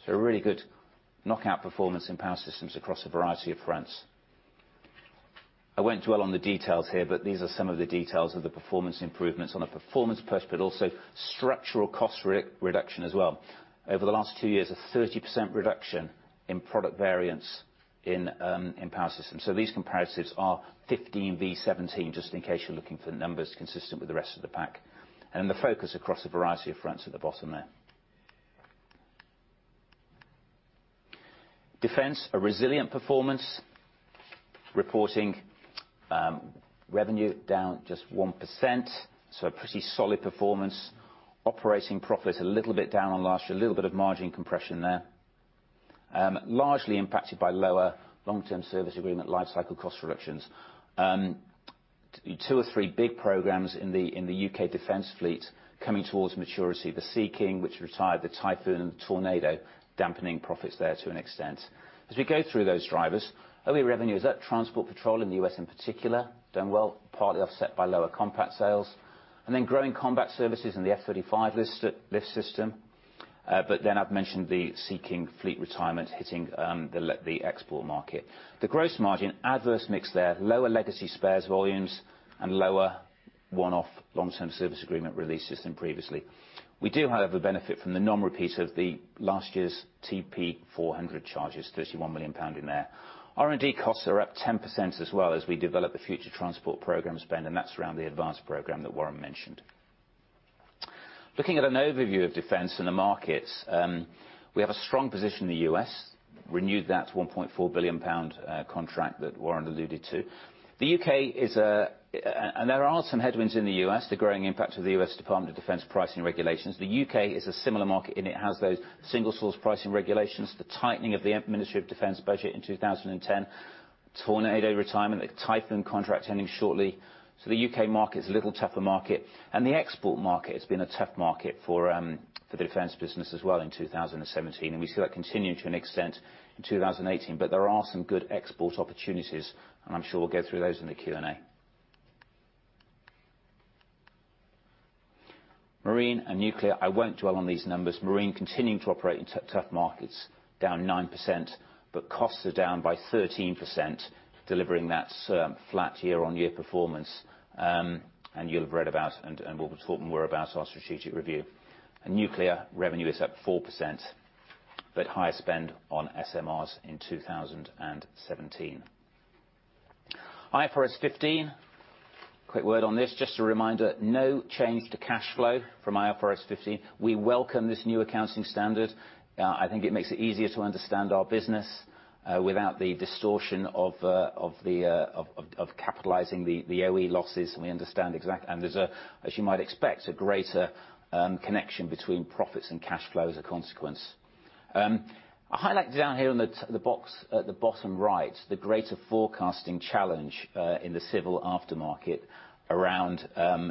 A really good knockout performance in Power Systems across a variety of fronts. I won't dwell on the details here, but these are some of the details of the performance improvements on a performance push, but also structural cost reduction as well. Over the last two years, a 30% reduction in product variance in Power Systems. These comparatives are 15 v. 17, just in case you're looking for numbers consistent with the rest of the pack. The focus across a variety of fronts at the bottom there. Defense, a resilient performance. Reporting revenue down just 1%, a pretty solid performance. Operating profit is a little bit down on last year. A little bit of margin compression there. Largely impacted by lower long-term service agreement lifecycle cost reductions. Two or three big programs in the U.K. defense fleet coming towards maturity. The Sea King, which retired, the Typhoon and Tornado dampening profits there to an extent. As we go through those drivers, OE revenue is up. Transport patrol in the U.S. in particular done well, partly offset by lower combat sales. Growing combat services in the F-35 LiftSystem. I've mentioned the Sea King fleet retirement hitting the export market. The gross margin, adverse mix there. Lower legacy spares volumes and lower one-off long-term service agreement releases than previously. We do, however, benefit from the non-repeat of the last year's TP400 charges, 31 million pound in there. R&D costs are up 10% as well as we develop the future transport program spend, and that's around the advanced program that Warren mentioned. Looking at an overview of defense in the markets, we have a strong position in the U.S. Renewed that 1.4 billion pound contract that Warren alluded to. There are some headwinds in the U.S., the growing impact of the U.S. Department of Defense pricing regulations. The U.K. is a similar market in it has those Single Source Contract Regulations, the tightening of the Ministry of Defence budget in 2010, Tornado retirement, the Typhoon contract ending shortly. The U.K. market is a little tougher market. The export market has been a tough market for the defense business as well in 2017. We see that continuing to an extent in 2018. There are some good export opportunities, and I'm sure we'll go through those in the Q&A. Marine and nuclear, I won't dwell on these numbers. Marine continuing to operate in tough markets, down 9%, but costs are down by 13%, delivering that flat year-on-year performance. You'll have read about and will have spoken more about our strategic review. Nuclear revenue is up 4%, but higher spend on SMRs in 2017. IFRS 15. Quick word on this, just a reminder, no change to cash flow from IFRS 15. We welcome this new accounting standard. I think it makes it easier to understand our business without the distortion of capitalizing the OE losses. We understand exactly, and there's, as you might expect, a greater connection between profits and cash flow as a consequence. I highlight down here in the box at the bottom right, the greater forecasting challenge in the civil aftermarket around,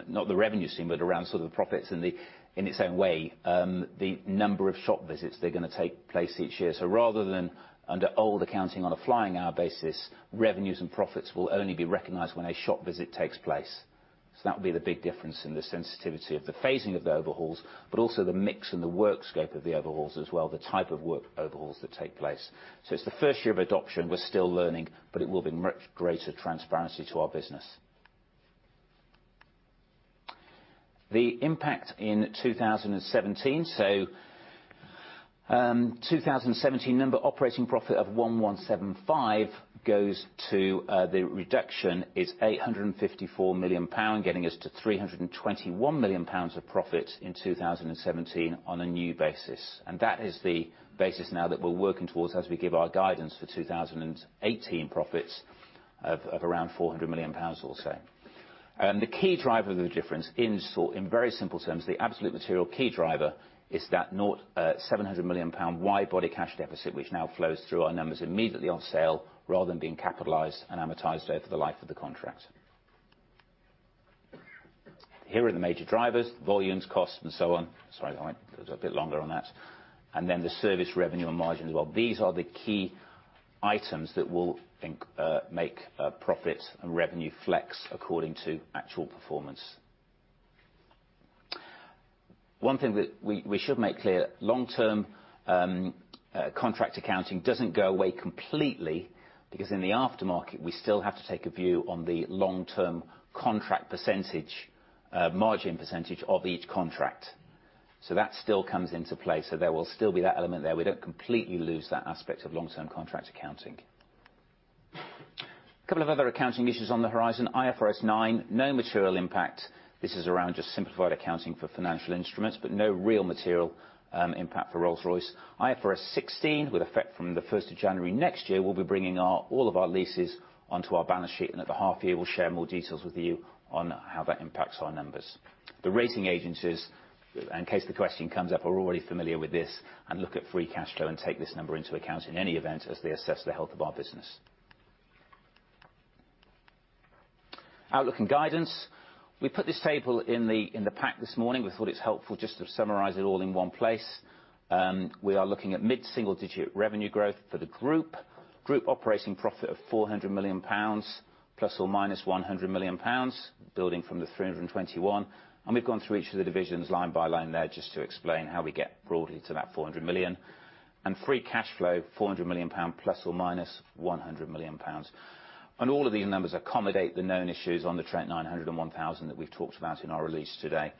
not the revenue stream, but around sort of the profits in its own way, the number of shop visits that are going to take place each year. Rather than under old accounting on a flying hour basis, revenues and profits will only be recognized when a shop visit takes place. That will be the big difference in the sensitivity of the phasing of the overhauls, but also the mix and the work scope of the overhauls as well, the type of work overhauls that take place. It's the first year of adoption, we're still learning, but it will bring much greater transparency to our business. The impact in 2017. 2017 number operating profit of 1,175 goes to the reduction is 854 million pound, getting us to 321 million pounds of profit in 2017 on a new basis. That is the basis now that we're working towards as we give our guidance for 2018 profits of around 400 million pounds or so. The key driver of the difference, in very simple terms, the absolute material key driver is that 700 million pound wide body cash deficit, which now flows through our numbers immediately on sale rather than being capitalized and amortized over the life of the contract. Here are the major drivers, volumes, costs, and so on. Sorry, I went a bit longer on that. Then the service revenue and margins. Well, these are the key items that will make profit and revenue flex according to actual performance. One thing that we should make clear, long-term contract accounting doesn't go away completely, because in the aftermarket, we still have to take a view on the long-term contract percentage, margin percentage of each contract. That still comes into play, so there will still be that element there. We don't completely lose that aspect of long-term contract accounting. Couple of other accounting issues on the horizon. IFRS 9, no material impact. This is around just simplified accounting for financial instruments, but no real material impact for Rolls-Royce. IFRS 16, with effect from the 1st of January next year, we'll be bringing all of our leases onto our balance sheet. At the half year, we'll share more details with you on how that impacts our numbers. The rating agencies, in case the question comes up, are already familiar with this and look at free cash flow and take this number into account in any event as they assess the health of our business. Outlook and guidance. We put this table in the pack this morning. We thought it's helpful just to summarize it all in one place. We are looking at mid-single digit revenue growth for the group. Group operating profit of 400 million pounds, ±100 million pounds, building from the 321. We've gone through each of the divisions line by line there just to explain how we get broadly to that 400 million. Free cash flow, 400 million pounds, ±100 million pounds. All of these numbers accommodate the known issues on the Trent 900 and 1000 that we've talked about in our release today.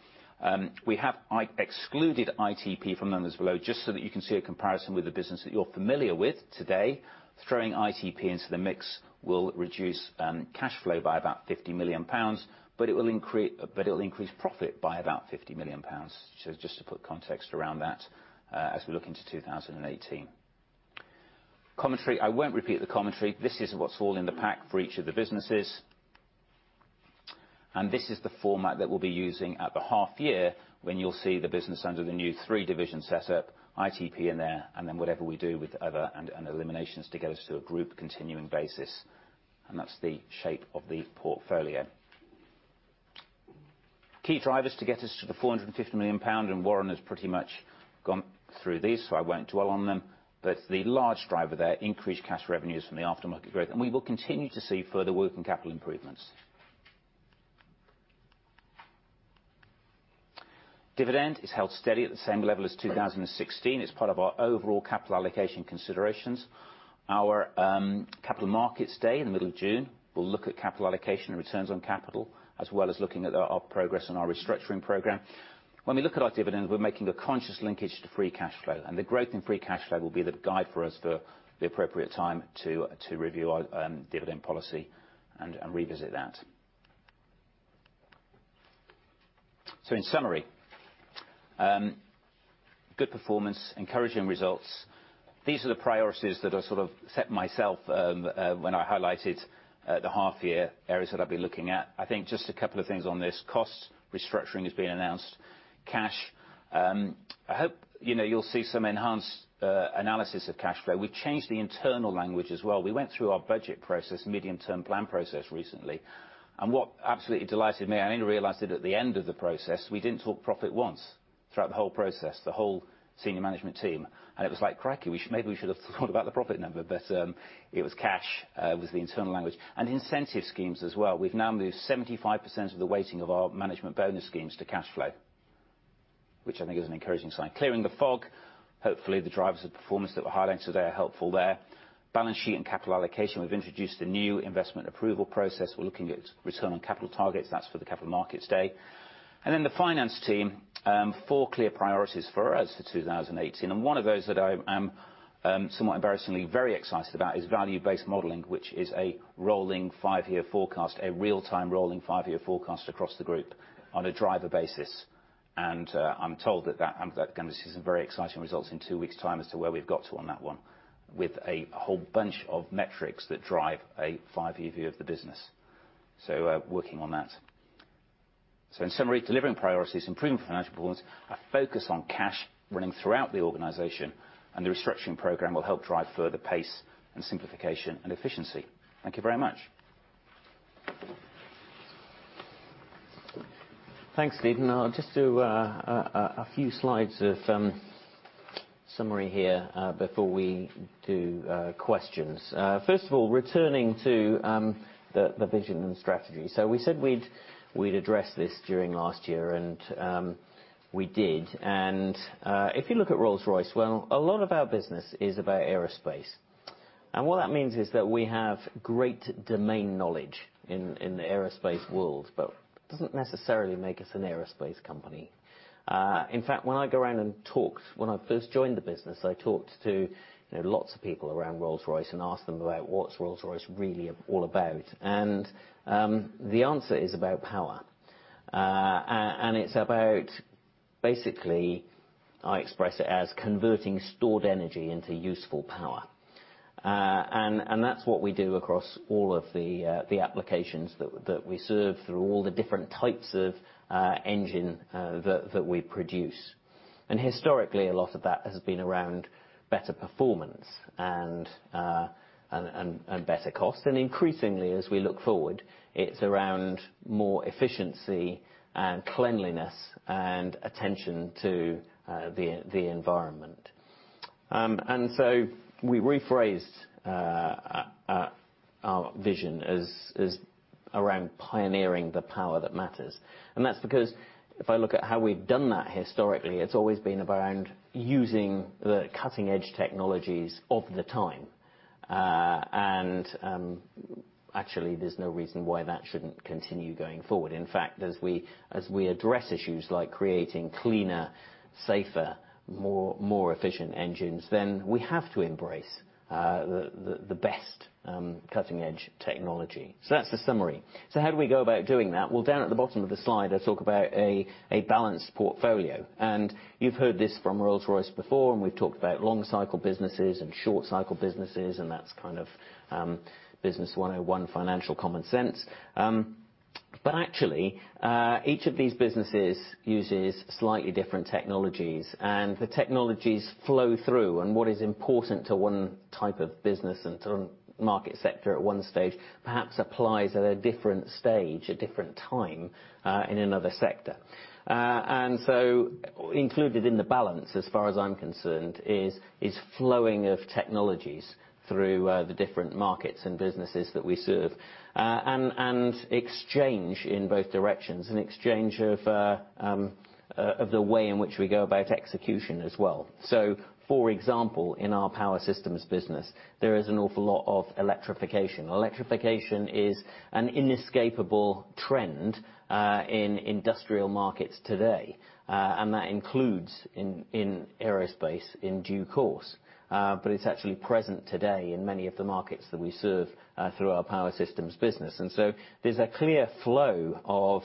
We have excluded ITP from numbers below just so that you can see a comparison with the business that you're familiar with today. Throwing ITP into the mix will reduce cash flow by about 50 million pounds, but it will increase profit by about 50 million pounds. Just to put context around that as we look into 2018. Commentary. I won't repeat the commentary. This is what's all in the pack for each of the businesses. This is the format that we'll be using at the half year when you'll see the business under the new three-division setup, ITP in there, then whatever we do with other and eliminations to get us to a group continuing basis. That's the shape of the portfolio. Key drivers to get us to the 450 million pound, and Warren has pretty much gone through these, so I won't dwell on them. The large driver there, increased cash revenues from the aftermarket growth, and we will continue to see further working capital improvements. Dividend is held steady at the same level as 2016, as part of our overall capital allocation considerations. Our capital markets day in the middle of June will look at capital allocation and returns on capital, as well as looking at our progress on our restructuring program. When we look at our dividend, we're making a conscious linkage to free cash flow, and the growth in free cash flow will be the guide for us for the appropriate time to review our dividend policy and revisit that. In summary, good performance, encouraging results. These are the priorities that I sort of set myself when I highlighted the half-year areas that I'd be looking at. I think just a couple of things on this. Costs, restructuring has been announced. Cash. I hope you'll see some enhanced analysis of cash flow. We changed the internal language as well. We went through our budget process, medium-term plan process recently, what absolutely delighted me, I only realized it at the end of the process, we didn't talk profit once throughout the whole process, the whole senior management team. It was like, crikey, maybe we should have thought about the profit number. It was cash, was the internal language. Incentive schemes as well. We've now moved 75% of the weighting of our management bonus schemes to cash flow, which I think is an encouraging sign. Clearing the fog. Hopefully, the drivers of performance that were highlighted today are helpful there. Balance sheet and capital allocation. We've introduced a new investment approval process. We're looking at return on capital targets. That's for the capital markets day. Then the finance team, four clear priorities for us for 2018. One of those that I am somewhat embarrassingly very excited about is value-based modeling, which is a rolling five-year forecast, a real-time rolling five-year forecast across the group on a driver basis. I'm told that I'm going to see some very exciting results in two weeks' time as to where we've got to on that one. With a whole bunch of metrics that drive a five-year view of the business. Working on that. In summary, delivering priorities, improving financial performance, a focus on cash running throughout the organization, and the restructuring program will help drive further pace and simplification and efficiency. Thank you very much. Thanks, Stephen. I'll just do a few slides of summary here, before we do questions. First of all, returning to the vision and strategy. We said we'd address this during last year, we did. If you look at Rolls-Royce, well, a lot of our business is about aerospace. What that means is that we have great domain knowledge in the aerospace world, but it doesn't necessarily make us an aerospace company. When I first joined the business, I talked to lots of people around Rolls-Royce and asked them about what's Rolls-Royce really all about. The answer is about power. It's about, basically, I express it as converting stored energy into useful power. That's what we do across all of the applications that we serve through all the different types of engine that we produce. Historically, a lot of that has been around better performance and better cost. Increasingly, as we look forward, it's around more efficiency and cleanliness and attention to the environment. We rephrased our vision as around pioneering the power that matters. That's because if I look at how we've done that historically, it's always been around using the cutting-edge technologies of the time. Actually, there's no reason why that shouldn't continue going forward. In fact, as we address issues like creating cleaner, safer, more efficient engines, we have to embrace the best cutting-edge technology. That's the summary. How do we go about doing that? Well, down at the bottom of the slide, I talk about a balanced portfolio. You've heard this from Rolls-Royce before. We've talked about long cycle businesses and short cycle businesses. That's kind of business 101 financial common sense. Actually, each of these businesses uses slightly different technologies. The technologies flow through. What is important to one type of business and to a market sector at one stage, perhaps applies at a different stage, a different time, in another sector. Included in the balance, as far as I'm concerned, is flowing of technologies through the different markets and businesses that we serve. Exchange in both directions and exchange of the way in which we go about execution as well. For example, in our Power Systems business, there is an awful lot of electrification. Electrification is an inescapable trend, in industrial markets today. That includes in aerospace in due course. It's actually present today in many of the markets that we serve through our Power Systems business. There's a clear flow of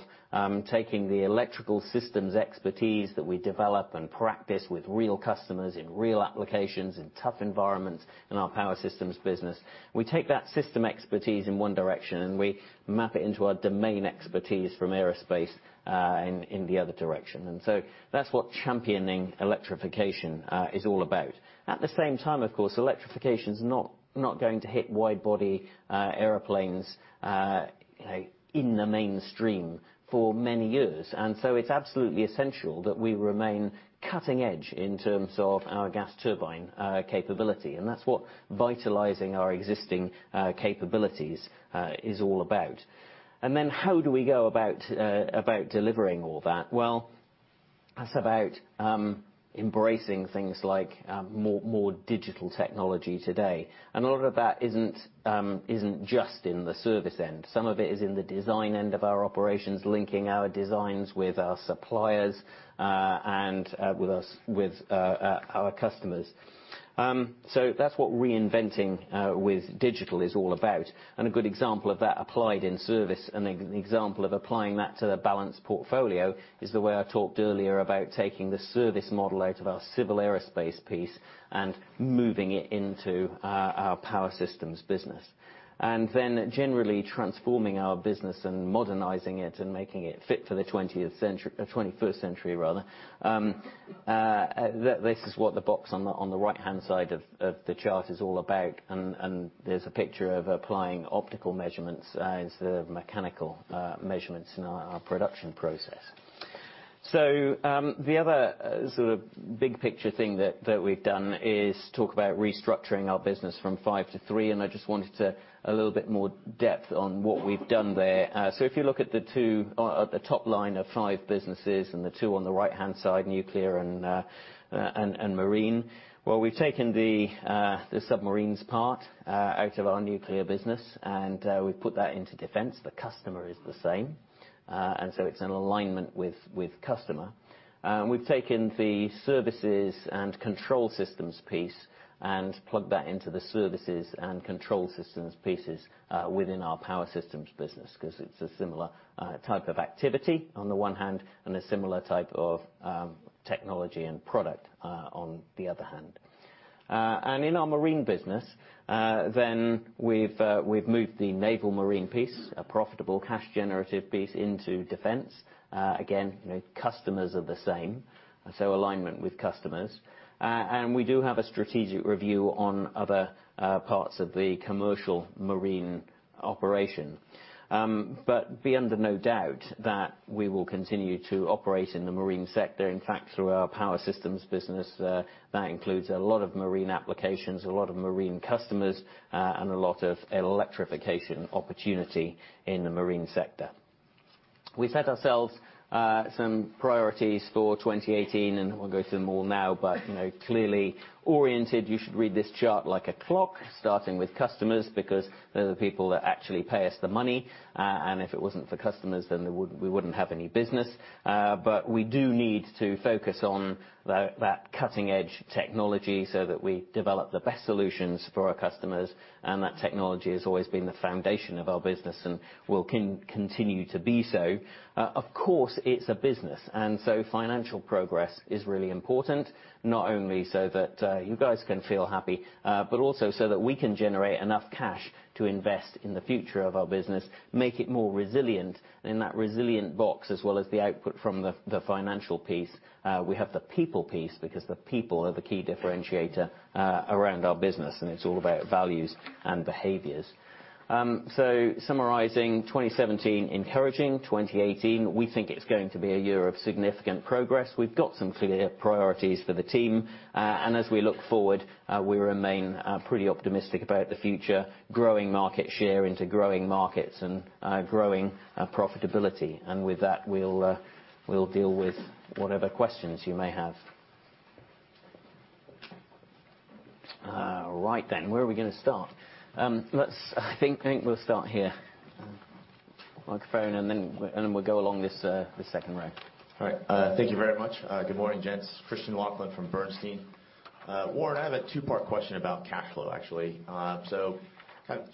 taking the electrical systems expertise that we develop and practice with real customers in real applications, in tough environments, in our Power Systems business. We take that system expertise in one direction. We map it into our domain expertise from aerospace in the other direction. That's what championing electrification is all about. At the same time, of course, electrification's not going to hit wide body airplanes in the mainstream for many years. It's absolutely essential that we remain cutting edge in terms of our gas turbine capability. That's what vitalizing our existing capabilities is all about. Well, that's about embracing things like more digital technology today. A lot of that isn't just in the service end. Some of it is in the design end of our operations, linking our designs with our suppliers, and with our customers. That's what reinventing with digital is all about. A good example of that applied in service, an example of applying that to the balanced portfolio is the way I talked earlier about taking the service model out of our Civil Aerospace piece and moving it into our Power Systems business. Generally transforming our business and modernizing it and making it fit for the 20th century, 21st century rather. This is what the box on the right-hand side of the chart is all about. There's a picture of applying optical measurements instead of mechanical measurements in our production process. The other sort of big-picture thing that we've done is talk about restructuring our business from 5 to 3, and I just wanted to a little bit more depth on what we've done there. If you look at the top line of 5 businesses and the 2 on the right-hand side, Nuclear and Marine. We've taken the submarines part out of our Nuclear business, and we've put that into Defense. The customer is the same. It's an alignment with customer. We've taken the services and control systems piece And plug that into the services and control systems pieces within our Power Systems business, because it's a similar type of activity on the one hand, and a similar type of technology and product, on the other hand. In our Marine business, then we've moved the Naval Marine piece, a profitable cash generative piece into Defense. Again, customers are the same, so alignment with customers. We do have a strategic review on other parts of the commercial marine operation. Be under no doubt that we will continue to operate in the marine sector. In fact, through our Power Systems business, that includes a lot of marine applications, a lot of marine customers, and a lot of electrification opportunity in the marine sector. We set ourselves some priorities for 2018, we'll go through them all now. Clearly oriented, you should read this chart like a clock starting with customers, because they're the people that actually pay us the money. If it wasn't for customers, then we wouldn't have any business. We do need to focus on that cutting-edge technology so that we develop the best solutions for our customers, and that technology has always been the foundation of our business and will continue to be so. Of course, it's a business, financial progress is really important. Not only so that you guys can feel happy, but also so that we can generate enough cash to invest in the future of our business, make it more resilient. In that resilient box, as well as the output from the financial piece, we have the people piece, because the people are the key differentiator around our business, and it's all about values and behaviors. Summarizing 2017, encouraging. 2018, we think it's going to be a year of significant progress. We've got some clear priorities for the team, and as we look forward, we remain pretty optimistic about the future, growing market share into growing markets and growing profitability. With that, we'll deal with whatever questions you may have. Where are we going to start? I think we'll start here. Microphone and then we'll go along this second row. All right. Thank you very much. Good morning, gents. Christian Laughlin from Bernstein. Warren, I have a two-part question about cash flow, actually.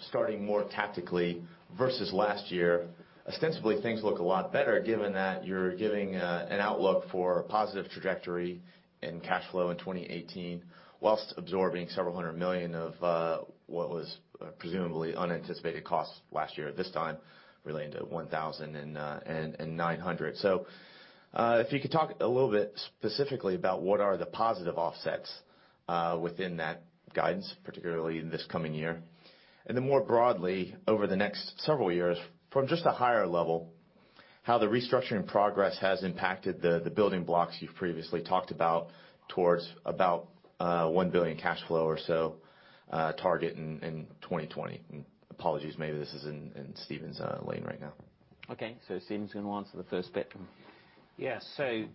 Starting more tactically, versus last year, ostensibly, things look a lot better given that you're giving an outlook for a positive trajectory in cash flow in 2018, whilst absorbing several hundred million GBP of what was presumably unanticipated costs last year at this time relating to 1,000 and 900. If you could talk a little bit specifically about what are the positive offsets within that guidance, particularly in this coming year. More broadly, over the next several years, from just a higher level, how the restructuring progress has impacted the building blocks you've previously talked about towards about a 1 billion cash flow or so target in 2020. Apologies, maybe this is in Stephen's lane right now. Okay. Stephen's going to answer the first bit. Yeah.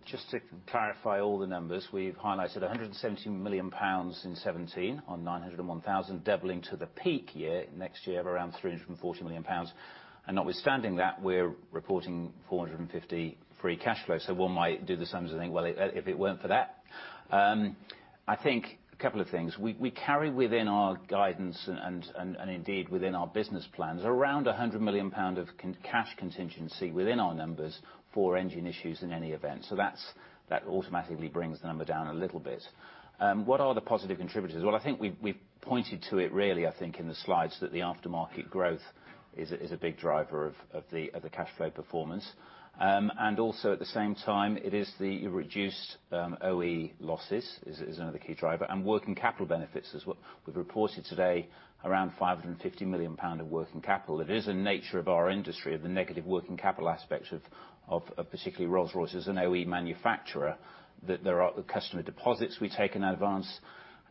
Just to clarify all the numbers, we've highlighted 170 million pounds in 2017 on 900 and 1,000, doubling to the peak year, next year of around 340 million pounds. Notwithstanding that, we're reporting 450 free cash flow. One might do the sums and think, well, if it weren't for that. I think a couple of things. We carry within our guidance and indeed within our business plans, around 100 million pound of cash contingency within our numbers for engine issues in any event. That automatically brings the number down a little bit. What are the positive contributors? Well, I think we've pointed to it really, I think, in the slides, that the aftermarket growth is a big driver of the cashflow performance. Also at the same time, it is the reduced OE losses, is another key driver, and working capital benefits as what we've reported today, around 550 million pound of working capital. It is the nature of our industry, the negative working capital aspects of particularly Rolls-Royce as an OE manufacturer, that there are customer deposits we take in advance.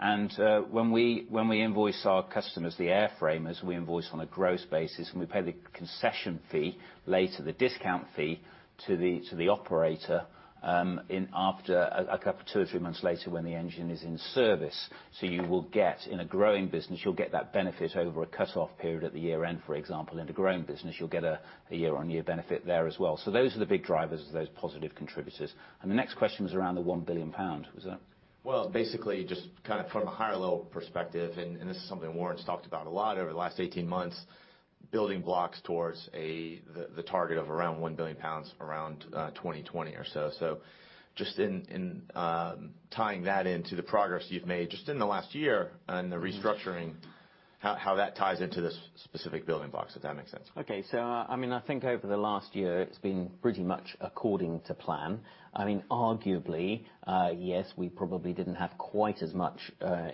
When we invoice our customers, the airframers, we invoice on a gross basis, and we pay the concession fee later, the discount fee to the operator a couple of two or three months later when the engine is in service. You will get, in a growing business, you'll get that benefit over a cutoff period at the year-end, for example, in the growing business. You'll get a year-on-year benefit there as well. Those are the big drivers of those positive contributors. The next question was around the 1 billion pound. Basically, just from a higher level perspective, this is something Warren's talked about a lot over the last 18 months, building blocks towards the target of around 1 billion pounds around 2020 or so. Just in tying that into the progress you've made just in the last year and the restructuring, how that ties into the specific building blocks, if that makes sense. I think over the last year, it's been pretty much according to plan. Arguably, yes, we probably didn't have quite as much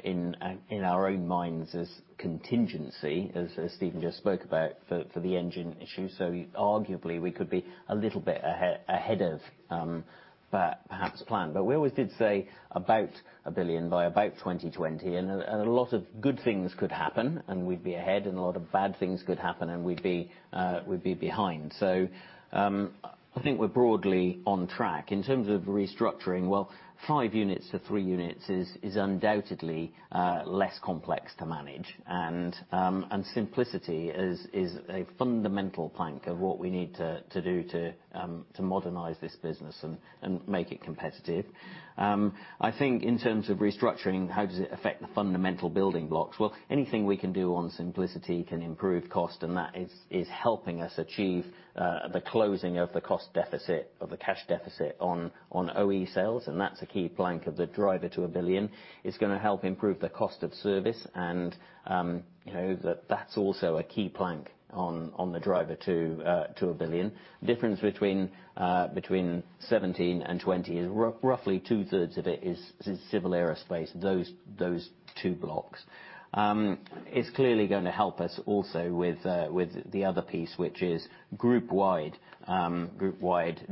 in our own minds as contingency as Stephen just spoke about for the engine issue. Arguably, we could be a little bit ahead of. As planned. We always did say about 1 billion by about 2020, and a lot of good things could happen, and we'd be ahead, and a lot of bad things could happen, and we'd be behind. I think we're broadly on track. In terms of restructuring, 5 units to 3 units is undoubtedly less complex to manage. Simplicity is a fundamental plank of what we need to do to modernize this business and make it competitive. I think in terms of restructuring, how does it affect the fundamental building blocks? Anything we can do on simplicity can improve cost, that is helping us achieve the closing of the cost deficit, of the cash deficit on OE sales, that's a key plank of the driver to 1 billion. It's going to help improve the cost of service, that's also a key plank on the driver to 1 billion. Difference between 2017 and 2020 is roughly two-thirds of it is Civil Aerospace, those two blocks. It's clearly going to help us also with the other piece, which is group-wide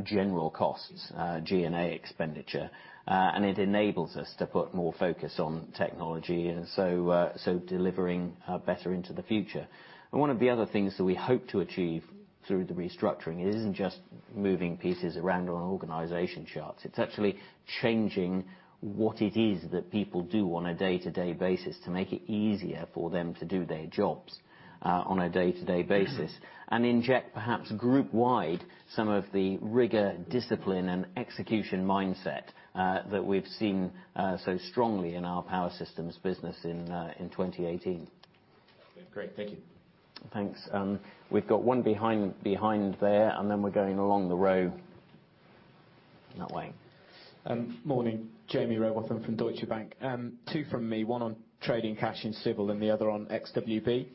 general costs, G&A expenditure. It enables us to put more focus on technology, delivering better into the future. One of the other things that we hope to achieve through the restructuring, it isn't just moving pieces around on organization charts. It's actually changing what it is that people do on a day-to-day basis to make it easier for them to do their jobs on a day-to-day basis. Inject, perhaps group-wide, some of the rigor, discipline, and execution mindset that we've seen so strongly in our Power Systems business in 2018. Great. Thank you. Thanks. We've got one behind there, and then we're going along the row that way. Morning. Jaime Rowbotham from Deutsche Bank. Two from me, one on trading cash in Civil, the other on XWB.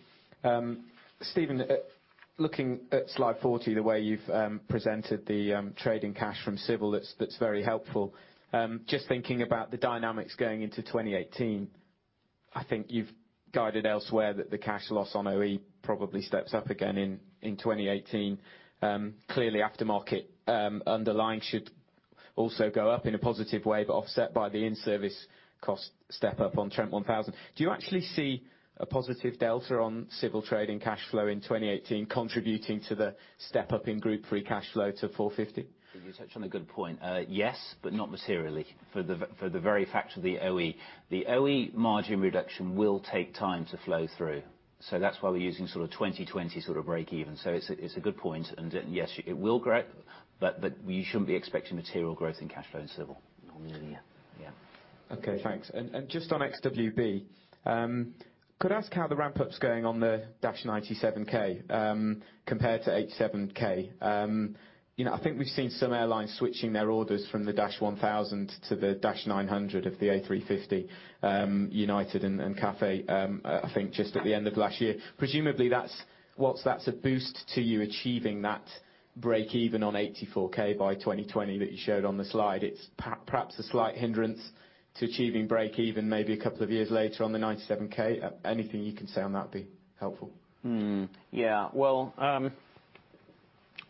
Stephen, looking at slide 40, the way you've presented the trading cash from Civil, that's very helpful. Just thinking about the dynamics going into 2018. I think you've guided elsewhere that the cash loss on OE probably steps up again in 2018. Clearly, aftermarket underlying should also go up in a positive way, but offset by the in-service cost step-up on Trent 1000. Do you actually see a positive delta on Civil trading cash flow in 2018 contributing to the step-up in group free cash flow to 450? You touched on a good point. Yes, not materially for the very fact of the OE. The OE margin reduction will take time to flow through. That's why we're using 2020 breakeven. It's a good point, and yes, it will grow, but you shouldn't be expecting material growth in cash flow in Civil. Not nearly, yeah. Okay, thanks. Just on XWB. Could I ask how the ramp-up's going on the -97k, compared to 84k? I think we've seen some airlines switching their orders from the -1000 to the -900 of the A350, United Airlines and Cathay Pacific, I think just at the end of last year. Presumably, whilst that's a boost to you achieving that breakeven on 84k by 2020 that you showed on the slide, it's perhaps a slight hindrance to achieving breakeven maybe a couple of years later on the 97k. Anything you can say on that would be helpful. Hmm. Yeah. Well,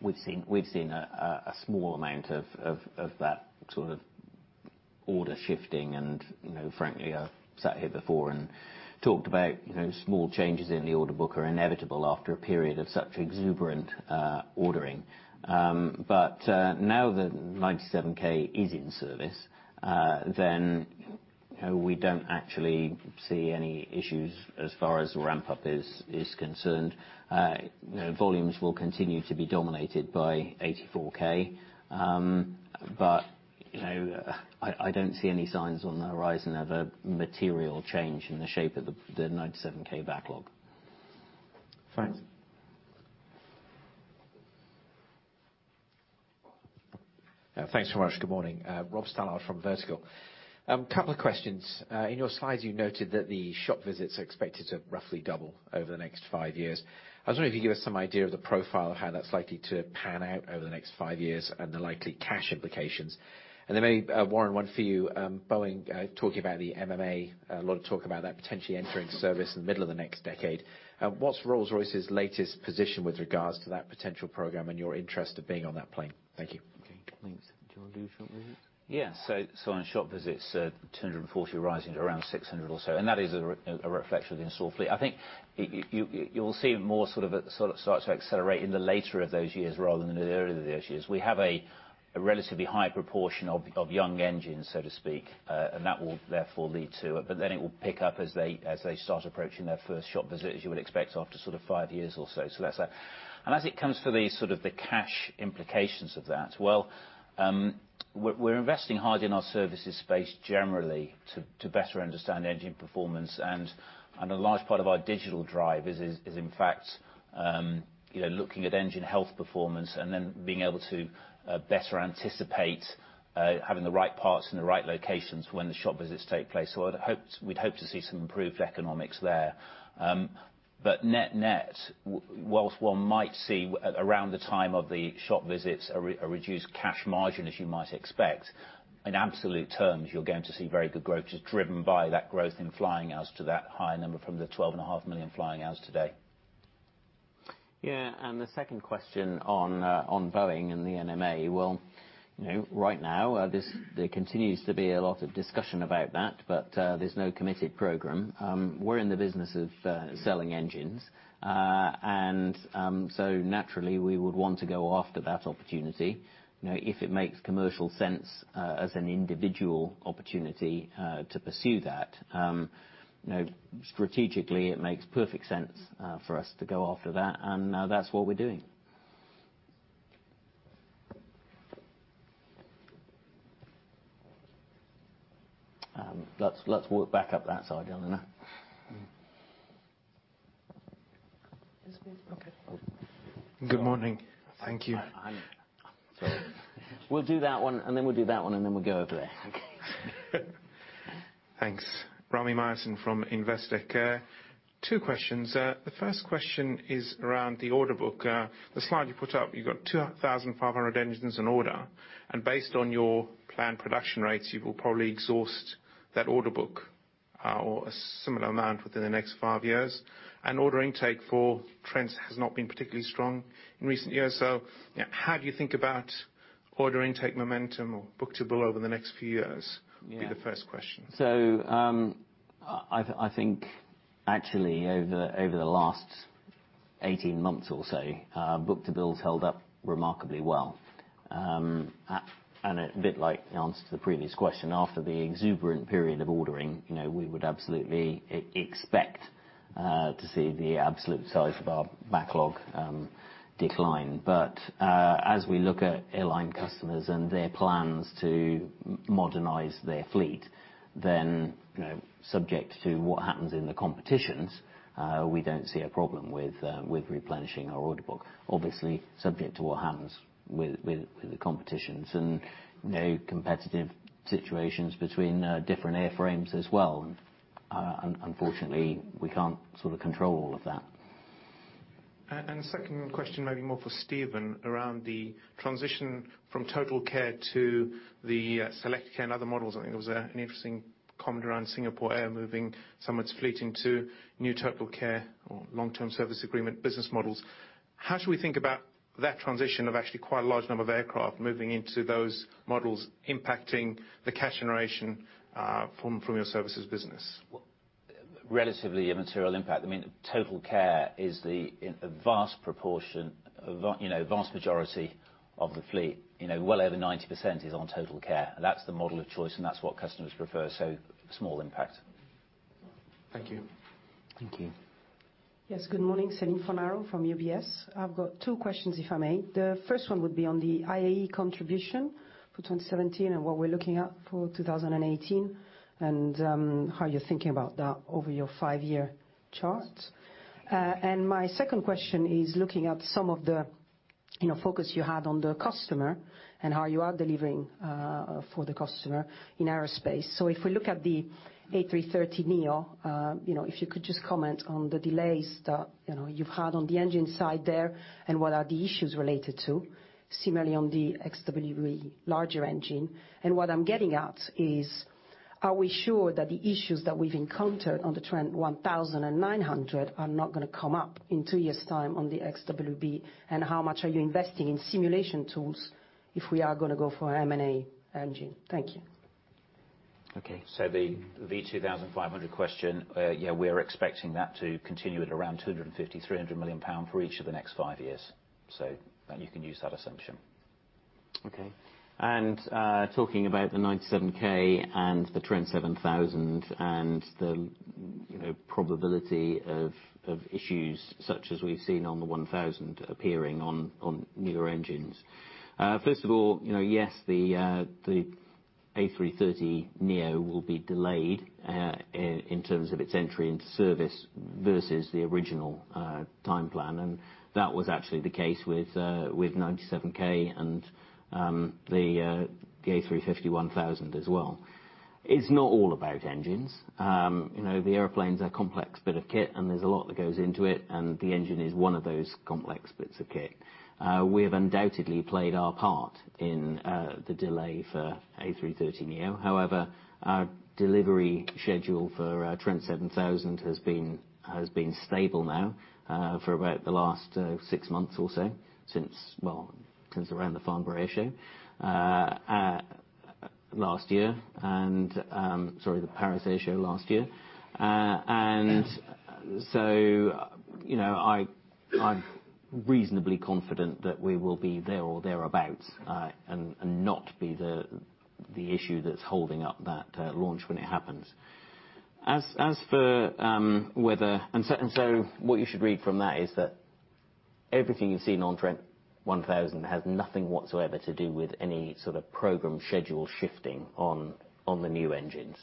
we've seen a small amount of that sort of order shifting and, frankly, I've sat here before and talked about small changes in the order book are inevitable after a period of such exuberant ordering. Now that 97k is in service, then we don't actually see any issues as far as ramp-up is concerned. Volumes will continue to be dominated by 84k. I don't see any signs on the horizon of a material change in the shape of the 97k backlog. Thanks. Thanks very much. Good morning. Rob Stallard from Vertical. Couple of questions. In your slides, you noted that the shop visits are expected to roughly double over the next 5 years. I was wondering if you could give us some idea of the profile of how that's likely to pan out over the next 5 years, and the likely cash implications. Maybe, Warren, one for you. Boeing talking about the NMA, a lot of talk about that potentially entering service in the middle of the next decade. What's Rolls-Royce's latest position with regards to that potential program and your interest of being on that plane? Thank you. Okay, thanks. Do you want to do shop visits? Yeah. On shop visits, 240 rising to around 600 or so, and that is a reflection of the install fleet. I think you will see it more start to accelerate in the later of those years rather than the earlier of the years. We have a relatively high proportion of young engines, so to speak. That will therefore lead to it. It will pick up as they start approaching their first shop visit, as you would expect after 5 years or so. That's that. As it comes for the sort of the cash implications of that, well, we're investing hard in our services space generally to better understand engine performance, and a large part of our digital drive is, in fact, looking at engine health performance and then being able to better anticipate having the right parts in the right locations for when the shop visits take place. We'd hope to see some improved economics there. Net-net, whilst one might see around the time of the shop visits a reduced cash margin, as you might expect, in absolute terms you're going to see very good growth, which is driven by that growth in flying hours to that higher number from the 12.5 million flying hours today. Yeah. The second question on Boeing and the NMA. Well, right now, there continues to be a lot of discussion about that, but there's no committed program. We're in the business of selling engines. Naturally, we would want to go after that opportunity, if it makes commercial sense as an individual opportunity to pursue that. Strategically, it makes perfect sense for us to go after that. That's what we're doing. Let's work back up that side, Elena. This way? Okay. Good morning. Thank you. We'll do that one, and then we'll do that one, and then we'll go over there. Okay. Thanks. Rami Myerson from Investec. Two questions. The first question is around the order book. The slide you put up, you've got 2,500 engines in order. Based on your planned production rates, you will probably exhaust that order book or a similar amount within the next five years. Order intake for Trents has not been particularly strong in recent years. How do you think about order intake momentum or book-to-bill over the next few years? Would be the first question. I think actually over the last 18 months or so, book-to-bill's held up remarkably well. A bit like the answer to the previous question, after the exuberant period of ordering, we would absolutely expect to see the absolute size of our backlog decline. As we look at airline customers and their plans to modernize their fleet, subject to what happens in the competitions, we don't see a problem with replenishing our order book. Obviously, subject to what happens with the competitions and competitive situations between different airframes as well. Unfortunately, we can't sort of control all of that. Second question, maybe more for Stephen, around the transition from TotalCare to the SelectCare and other models. I think there was an interesting comment around Singapore Airlines moving some of its fleet into new TotalCare or long-term service agreement business models. How should we think about that transition of actually quite a large number of aircraft moving into those models impacting the cash generation from your services business? Well, relatively immaterial impact. TotalCare is the vast majority of the fleet. Well over 90% is on TotalCare, that's the model of choice, and that's what customers prefer. Small impact. Thank you. Thank you. Yes, good morning. Celine Fornaro from UBS. I've got two questions, if I may. The first one would be on the IAE contribution for 2017 and what we're looking at for 2018, and how you're thinking about that over your five-year chart. My second question is looking at some of the focus you had on the customer and how you are delivering for the customer in aerospace. So if we look at the A330neo, if you could just comment on the delays that you've had on the engine side there and what are the issues related to, similarly on the XWB larger engine. What I'm getting at is, are we sure that the issues that we've encountered on the Trent 1000 and 900 are not going to come up in two years' time on the XWB? How much are you investing in simulation tools if we are going to go for an NMA engine? Thank you. Okay. The V2500 question, yeah, we're expecting that to continue at around 250 million-300 million pound for each of the next five years. You can use that assumption. Okay. Talking about the Trent XWB-97 and the Trent 7000 and the probability of issues such as we've seen on the Trent 1000 appearing on newer engines. First of all, yes, the A330neo will be delayed in terms of its entry into service versus the original time plan. That was actually the case with Trent XWB-97 and the A350-1000 as well. It's not all about engines. The airplanes are a complex bit of kit, and there's a lot that goes into it, and the engine is one of those complex bits of kit. We have undoubtedly played our part in the delay for A330neo. However, our delivery schedule for our Trent 7000 has been stable now for about the last six months or so, since around the Farnborough Airshow last year. Sorry, the Paris Air Show last year. I'm reasonably confident that we will be there or thereabout, and not be the issue that's holding up that launch when it happens. What you should read from that is that everything you've seen on Trent 1000 has nothing whatsoever to do with any sort of program schedule shifting on the new engines.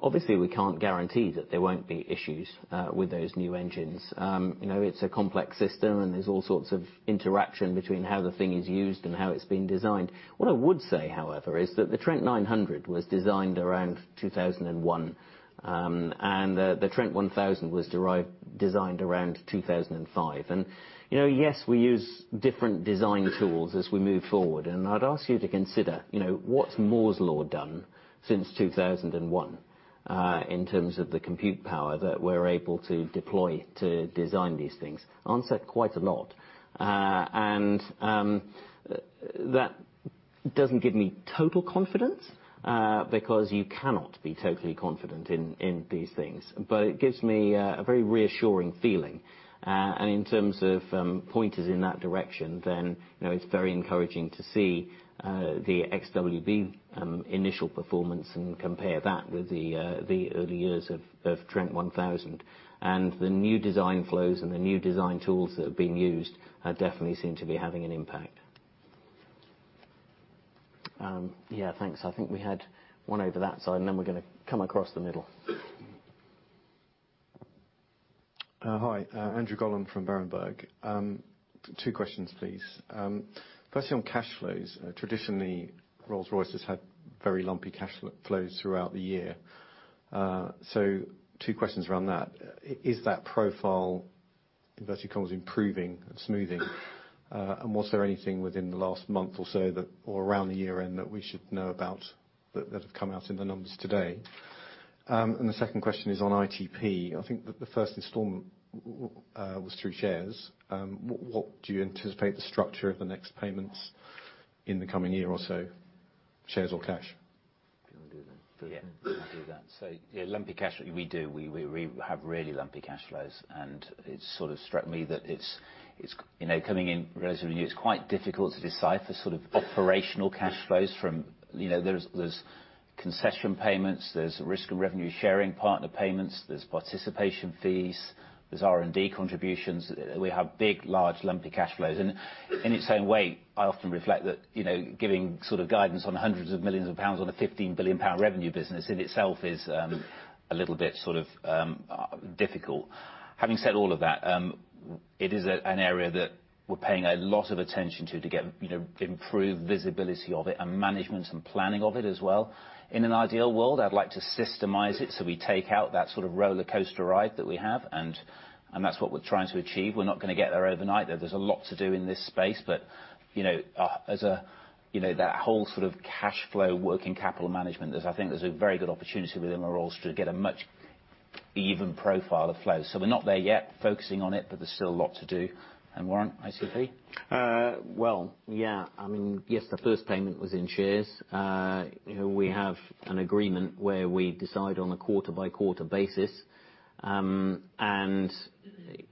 Obviously, we can't guarantee that there won't be issues with those new engines. It's a complex system, and there's all sorts of interaction between how the thing is used and how it's been designed. What I would say, however, is that the Trent 900 was designed around 2001, and the Trent 1000 was designed around 2005. Yes, we use different design tools as we move forward. I'd ask you to consider, what's Moore's Law done since 2001 in terms of the compute power that we're able to deploy to design these things? Answer, quite a lot. That doesn't give me total confidence, because you cannot be totally confident in these things. It gives me a very reassuring feeling. In terms of pointers in that direction, then it's very encouraging to see the Trent XWB initial performance and compare that with the early years of Trent 1000. The new design flows and the new design tools that have been used, definitely seem to be having an impact. Yeah, thanks. I think we had one over that side, and then we're going to come across the middle. Hi, Andrew Gollan from Berenberg. Two questions, please. Firstly, on cash flows. Traditionally, Rolls-Royce has had very lumpy cash flows throughout the year. Two questions around that. Is that profile virtually improving and smoothing? Was there anything within the last month or so or around the year-end that we should know about that have come out in the numbers today? The second question is on ITP. I think that the first installment was through shares. What do you anticipate the structure of the next payments in the coming year or so, shares or cash? Do you want to do that? Yeah. I can do that. Yeah, lumpy cash, we do. We have really lumpy cash flows, and it sort of struck me that coming in relatively new, it's quite difficult to decipher sort of operational cash flows from There's concession payments, there's risk of revenue sharing partner payments, there's participation fees, there's R&D contributions. We have big, large, lumpy cash flows. In its own way, I often reflect that giving sort of guidance on hundreds of millions of GBP on a 15 billion pound revenue business in itself is a little bit sort of difficult. Having said all of that, it is an area that we're paying a lot of attention to get improved visibility of it and management and planning of it as well. In an ideal world, I'd like to systemize it, we take out that sort of rollercoaster ride that we have, and that's what we're trying to achieve. We're not going to get there overnight. There's a lot to do in this space, but that whole sort of cash flow, working capital management, I think there's a very good opportunity within Rolls to get a much even profile of flow. We're not there yet. Focusing on it, but there's still a lot to do. Warren, ITP? Yeah. Yes, the first payment was in shares. We have an agreement where we decide on a quarter-by-quarter basis,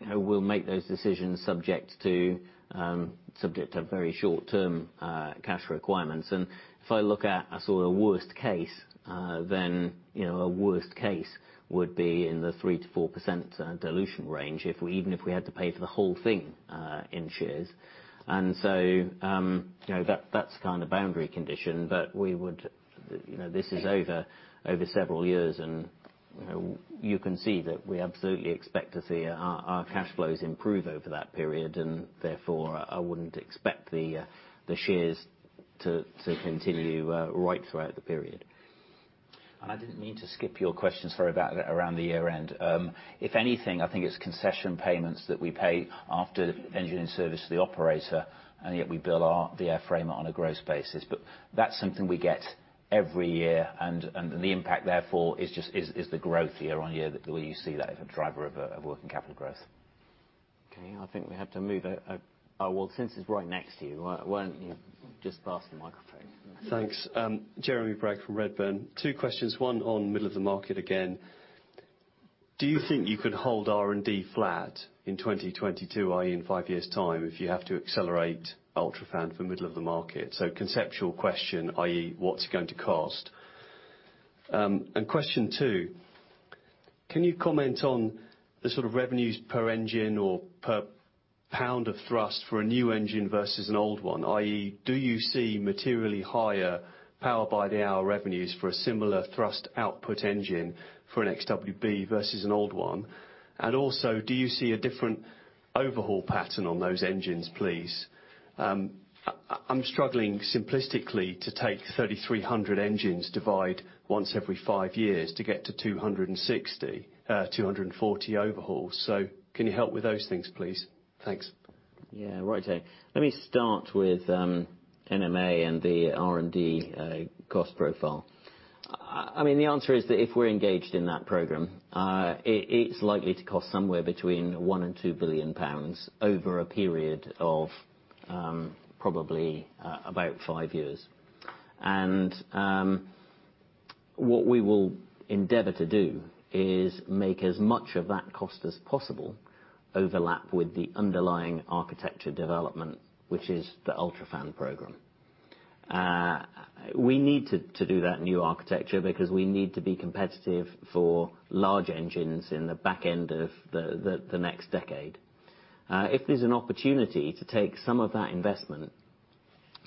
we'll make those decisions subject to very short-term cash requirements. If I look at a sort of worst case, a worst case would be in the 3%-4% dilution range, even if we had to pay for the whole thing in shares. That's kind of boundary condition. This is over several years, and you can see that we absolutely expect to see our cash flows improve over that period. Therefore, I wouldn't expect the shares to continue right throughout the period. I didn't mean to skip your questions for about around the year-end. If anything, I think it's concession payments that we pay after the engine is serviced to the operator, and yet we bill the airframe on a gross basis. That's something we get every year, and the impact therefore is the growth year-on-year, that the way you see that is a driver of a working capital growth. Okay. I think we have to move. Oh, well, since it's right next to you, why don't you just pass the microphone? Thanks. Jeremy Bragg from Redburn. Two questions, one on middle of the market again. Do you think you could hold R&D flat in 2022, i.e., in five years' time, if you have to accelerate UltraFan for middle of the market? Conceptual question, i.e., what's it going to cost? Question two, can you comment on the sort of revenues per engine or per pound of thrust for a new engine versus an old one? I.e., do you see materially higher Power by the Hour revenues for a similar thrust output engine for an XWB versus an old one? Also, do you see a different overhaul pattern on those engines, please? I'm struggling simplistically to take 3,300 engines, divide once every five years to get to 240 overhauls. Can you help with those things, please? Thanks. Yeah, right. Let me start with NMA and the R&D cost profile. The answer is that if we're engaged in that program, it's likely to cost somewhere between 1 billion and 2 billion pounds over a period of probably about five years. What we will endeavor to do is make as much of that cost as possible overlap with the underlying architecture development, which is the UltraFan program. We need to do that new architecture because we need to be competitive for large engines in the back end of the next decade. If there's an opportunity to take some of that investment,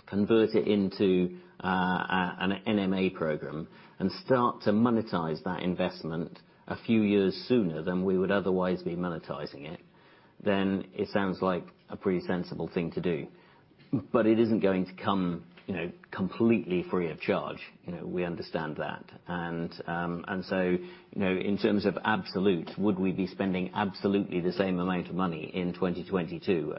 convert it into an NMA program, and start to monetize that investment a few years sooner than we would otherwise be monetizing it sounds like a pretty sensible thing to do. It isn't going to come completely free of charge. We understand that. In terms of absolute, would we be spending absolutely the same amount of money in 2022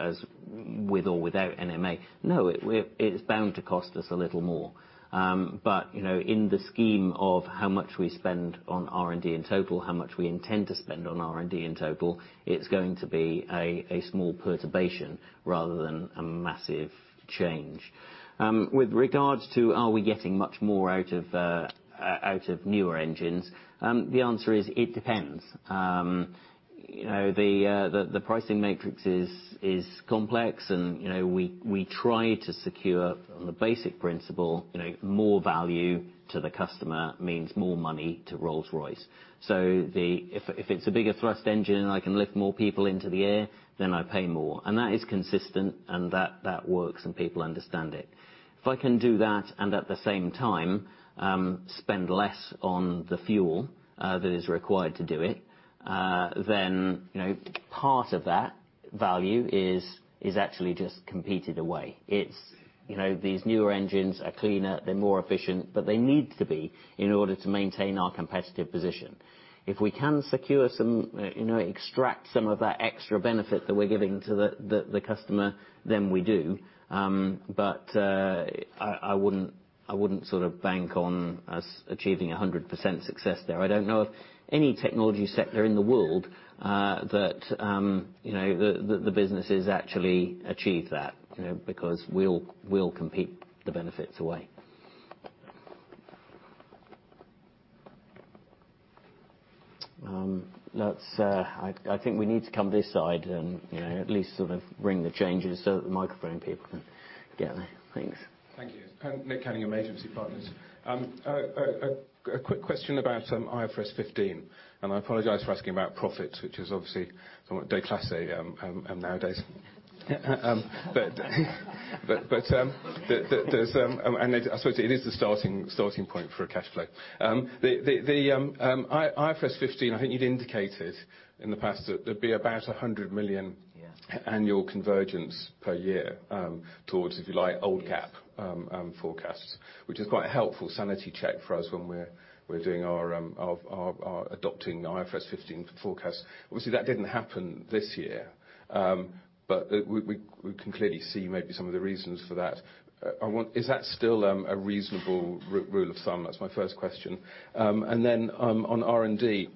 with or without NMA? No, it is bound to cost us a little more. In the scheme of how much we spend on R&D in total, how much we intend to spend on R&D in total, it's going to be a small perturbation rather than a massive change. With regards to, are we getting much more out of newer engines? The answer is, it depends. The pricing matrix is complex. We try to secure on the basic principle, more value to the customer means more money to Rolls-Royce. If it's a bigger thrust engine and I can lift more people into the air, then I pay more. That is consistent and that works and people understand it. If I can do that, and at the same time, spend less on the fuel that is required to do it, then part of that value is actually just competed away. These newer engines are cleaner, they're more efficient, but they need to be in order to maintain our competitive position. If we can extract some of that extra benefit that we're giving to the customer, then we do. I wouldn't bank on us achieving 100% success there. I don't know of any technology sector in the world that the businesses actually achieve that because we'll compete the benefits away. I think we need to come this side and at least sort of ring the changes so that the microphone people can get there. Thanks. Thank you. Nick Cunningham, Agency Partners. A quick question about IFRS 15, and I apologize for asking about profits, which is obviously somewhat déclassé nowadays. I suppose it is the starting point for a cash flow. The IFRS 15, I think you'd indicated in the past that there'd be about 100 million- Yeah annual convergence per year, towards, if you like, old GAAP forecasts. Which is quite a helpful sanity check for us when we're adopting IFRS 15 forecasts. Obviously, that didn't happen this year. We can clearly see maybe some of the reasons for that. Is that still a reasonable rule of thumb? That's my first question. Then, on R&D,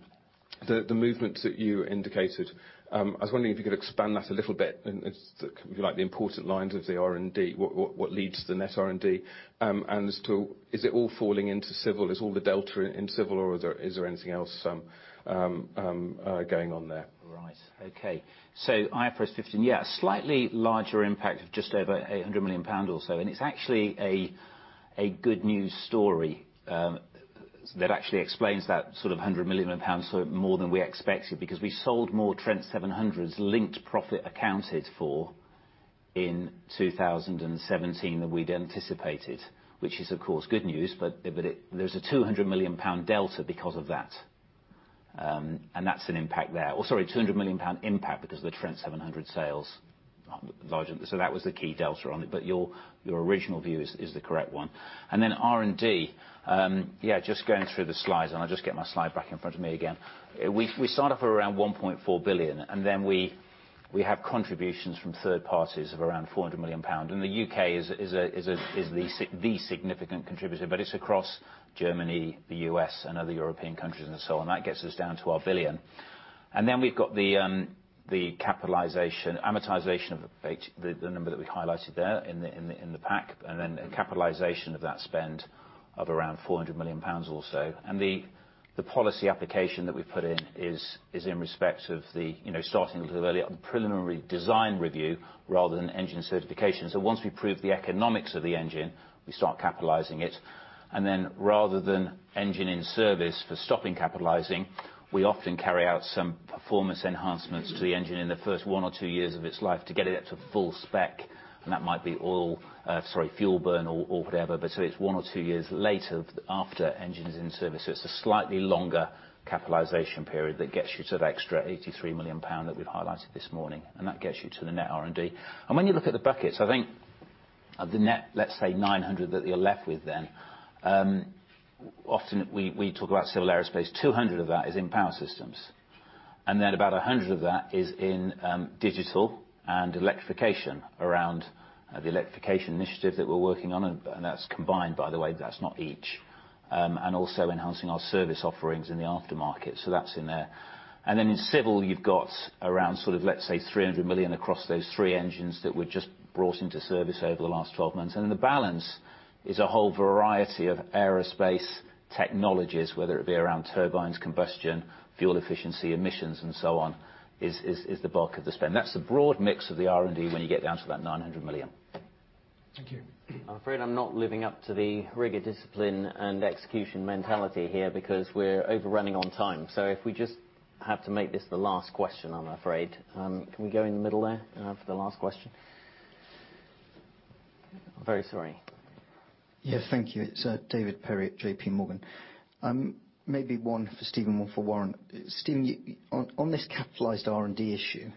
the movements that you indicated, I was wondering if you could expand that a little bit and, if you like, the important lines of the R&D, what leads to the net R&D? As to, is it all falling into Civil? Is all the delta in Civil, or is there anything else going on there? Right. Okay. IFRS 15, yeah. A slightly larger impact of just over 800 million pounds or so. It's actually a good news story that actually explains that sort of 100 million pounds more than we expected because we sold more Trent 700s linked profit accounted for in 2017 than we'd anticipated. Which is, of course, good news, but there's a 200 million pound delta because of that. That's an impact there. Sorry, 200 million pound impact because of the Trent 700 sales. That was the key delta on it, but your original view is the correct one. R&D. Yeah, just going through the slides, I'll just get my slide back in front of me again. We start off around 1.4 billion. Then we have contributions from third parties of around 400 million pounds. The U.K. is the significant contributor, but it's across Germany, the U.S., and other European countries and so on. That gets us down to our 1 billion. Then we've got the amortization of the number that we highlighted there in the pack. Then capitalization of that spend of around 400 million pounds also. The policy application that we put in is in respect of the starting a little early on the preliminary design review rather than engine certification. Once we prove the economics of the engine, we start capitalizing it. Then rather than engine in service for stopping capitalizing, we often carry out some performance enhancements to the engine in the first one or two years of its life to get it up to full spec. That might be fuel burn or whatever. It's one or two years later after engine is in service. It's a slightly longer capitalization period that gets you to the extra 83 million pound that we've highlighted this morning. That gets you to the net R&D. When you look at the buckets, I think of the net, let's say 900 million, that you're left with then. Often we talk about Civil Aerospace, 200 million of that is in Power Systems. Then about 100 million of that is in digital and electrification around the electrification initiative that we're working on. That's combined, by the way. That's not each. Also enhancing our service offerings in the aftermarket. That's in there. Then in Civil, you've got around, let's say, 300 million across those three engines that we've just brought into service over the last 12 months. The balance is a whole variety of aerospace technologies, whether it be around turbines, combustion, fuel efficiency, emissions, and so on, is the bulk of the spend. That's the broad mix of the R&D when you get down to that 900 million. Thank you. I'm afraid I'm not living up to the rigor, discipline, and execution mentality here because we're overrunning on time. If we just have to make this the last question, I'm afraid. Can we go in the middle there for the last question? I'm very sorry. Thank you. It's David Perry at J.P. Morgan. Maybe one for Stephen, one for Warren. Stephen, on this capitalized R&D issue,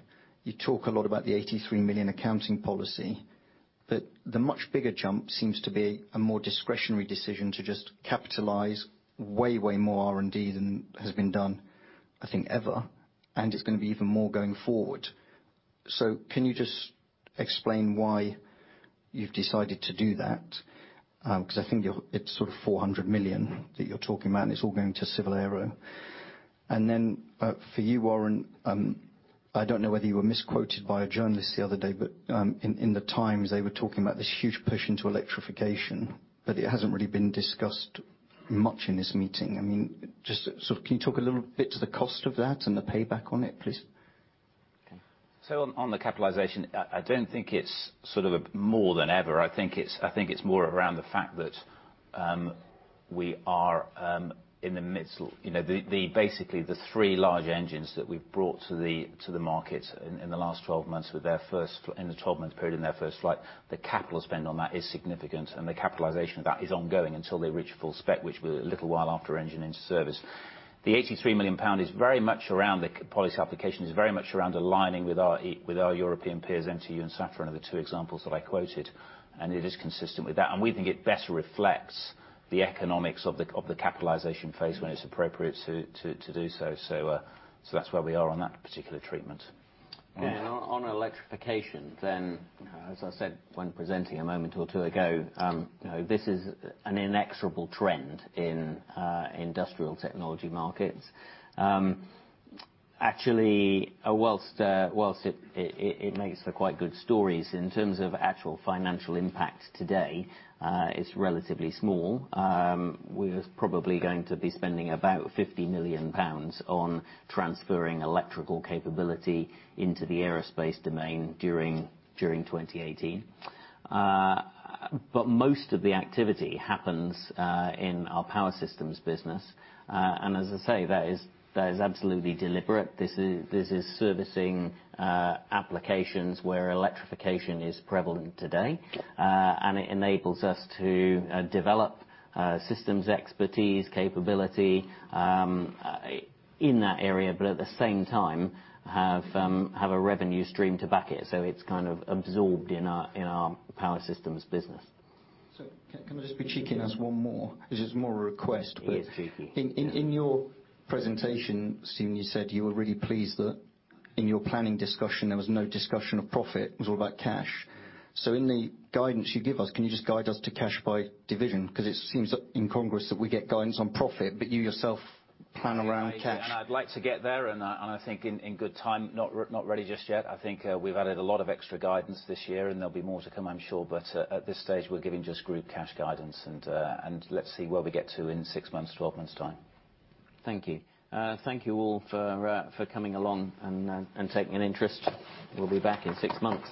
you talk a lot about the 83 million accounting policy. The much bigger jump seems to be a more discretionary decision to just capitalize way more R&D than has been done, I think, ever. It's going to be even more going forward. Can you just explain why you've decided to do that? I think it's 400 million that you're talking about, and it's all going to Civil Aero. Then for you, Warren, I don't know whether you were misquoted by a journalist the other day, but in The Times, they were talking about this huge push into electrification, but it hasn't really been discussed much in this meeting. Can you talk a little bit to the cost of that and the payback on it, please? On the capitalization, I don't think it's more than ever. I think it's more around the fact that we are in the midst. Basically, the 3 large engines that we've brought to the market in the last 12 months, in the 12-month period, in their first flight, the capital spend on that is significant, and the capitalization of that is ongoing until they reach full spec, which will be a little while after engine into service. The 83 million pound policy application is very much around aligning with our European peers, MTU and Safran are the two examples that I quoted, and it is consistent with that. We think it best reflects the economics of the capitalization phase when it's appropriate to do so. That's where we are on that particular treatment. On electrification then, as I said when presenting a moment or two ago, this is an inexorable trend in industrial technology markets. Actually, whilst it makes for quite good stories in terms of actual financial impact today, it's relatively small. We're probably going to be spending about 50 million pounds on transferring electrical capability into the aerospace domain during 2018. Most of the activity happens in our Power Systems business. As I say, that is absolutely deliberate. This is servicing applications where electrification is prevalent today. It enables us to develop systems expertise, capability in that area, but at the same time, have a revenue stream to back it. It's kind of absorbed in our Power Systems business. Can I just be cheeky and ask one more? This is more a request. Yes, cheeky. In your presentation, Stephen, you said you were really pleased that in your planning discussion, there was no discussion of profit. It was all about cash. In the guidance you give us, can you just guide us to cash by division? Because it seems incongruous that we get guidance on profit, but you yourself plan around cash. I'd like to get there, and I think in good time, not ready just yet. I think we've added a lot of extra guidance this year, and there'll be more to come, I'm sure. At this stage, we're giving just group cash guidance, and let's see where we get to in six months, 12 months' time. Thank you. Thank you all for coming along and taking an interest. We'll be back in six months.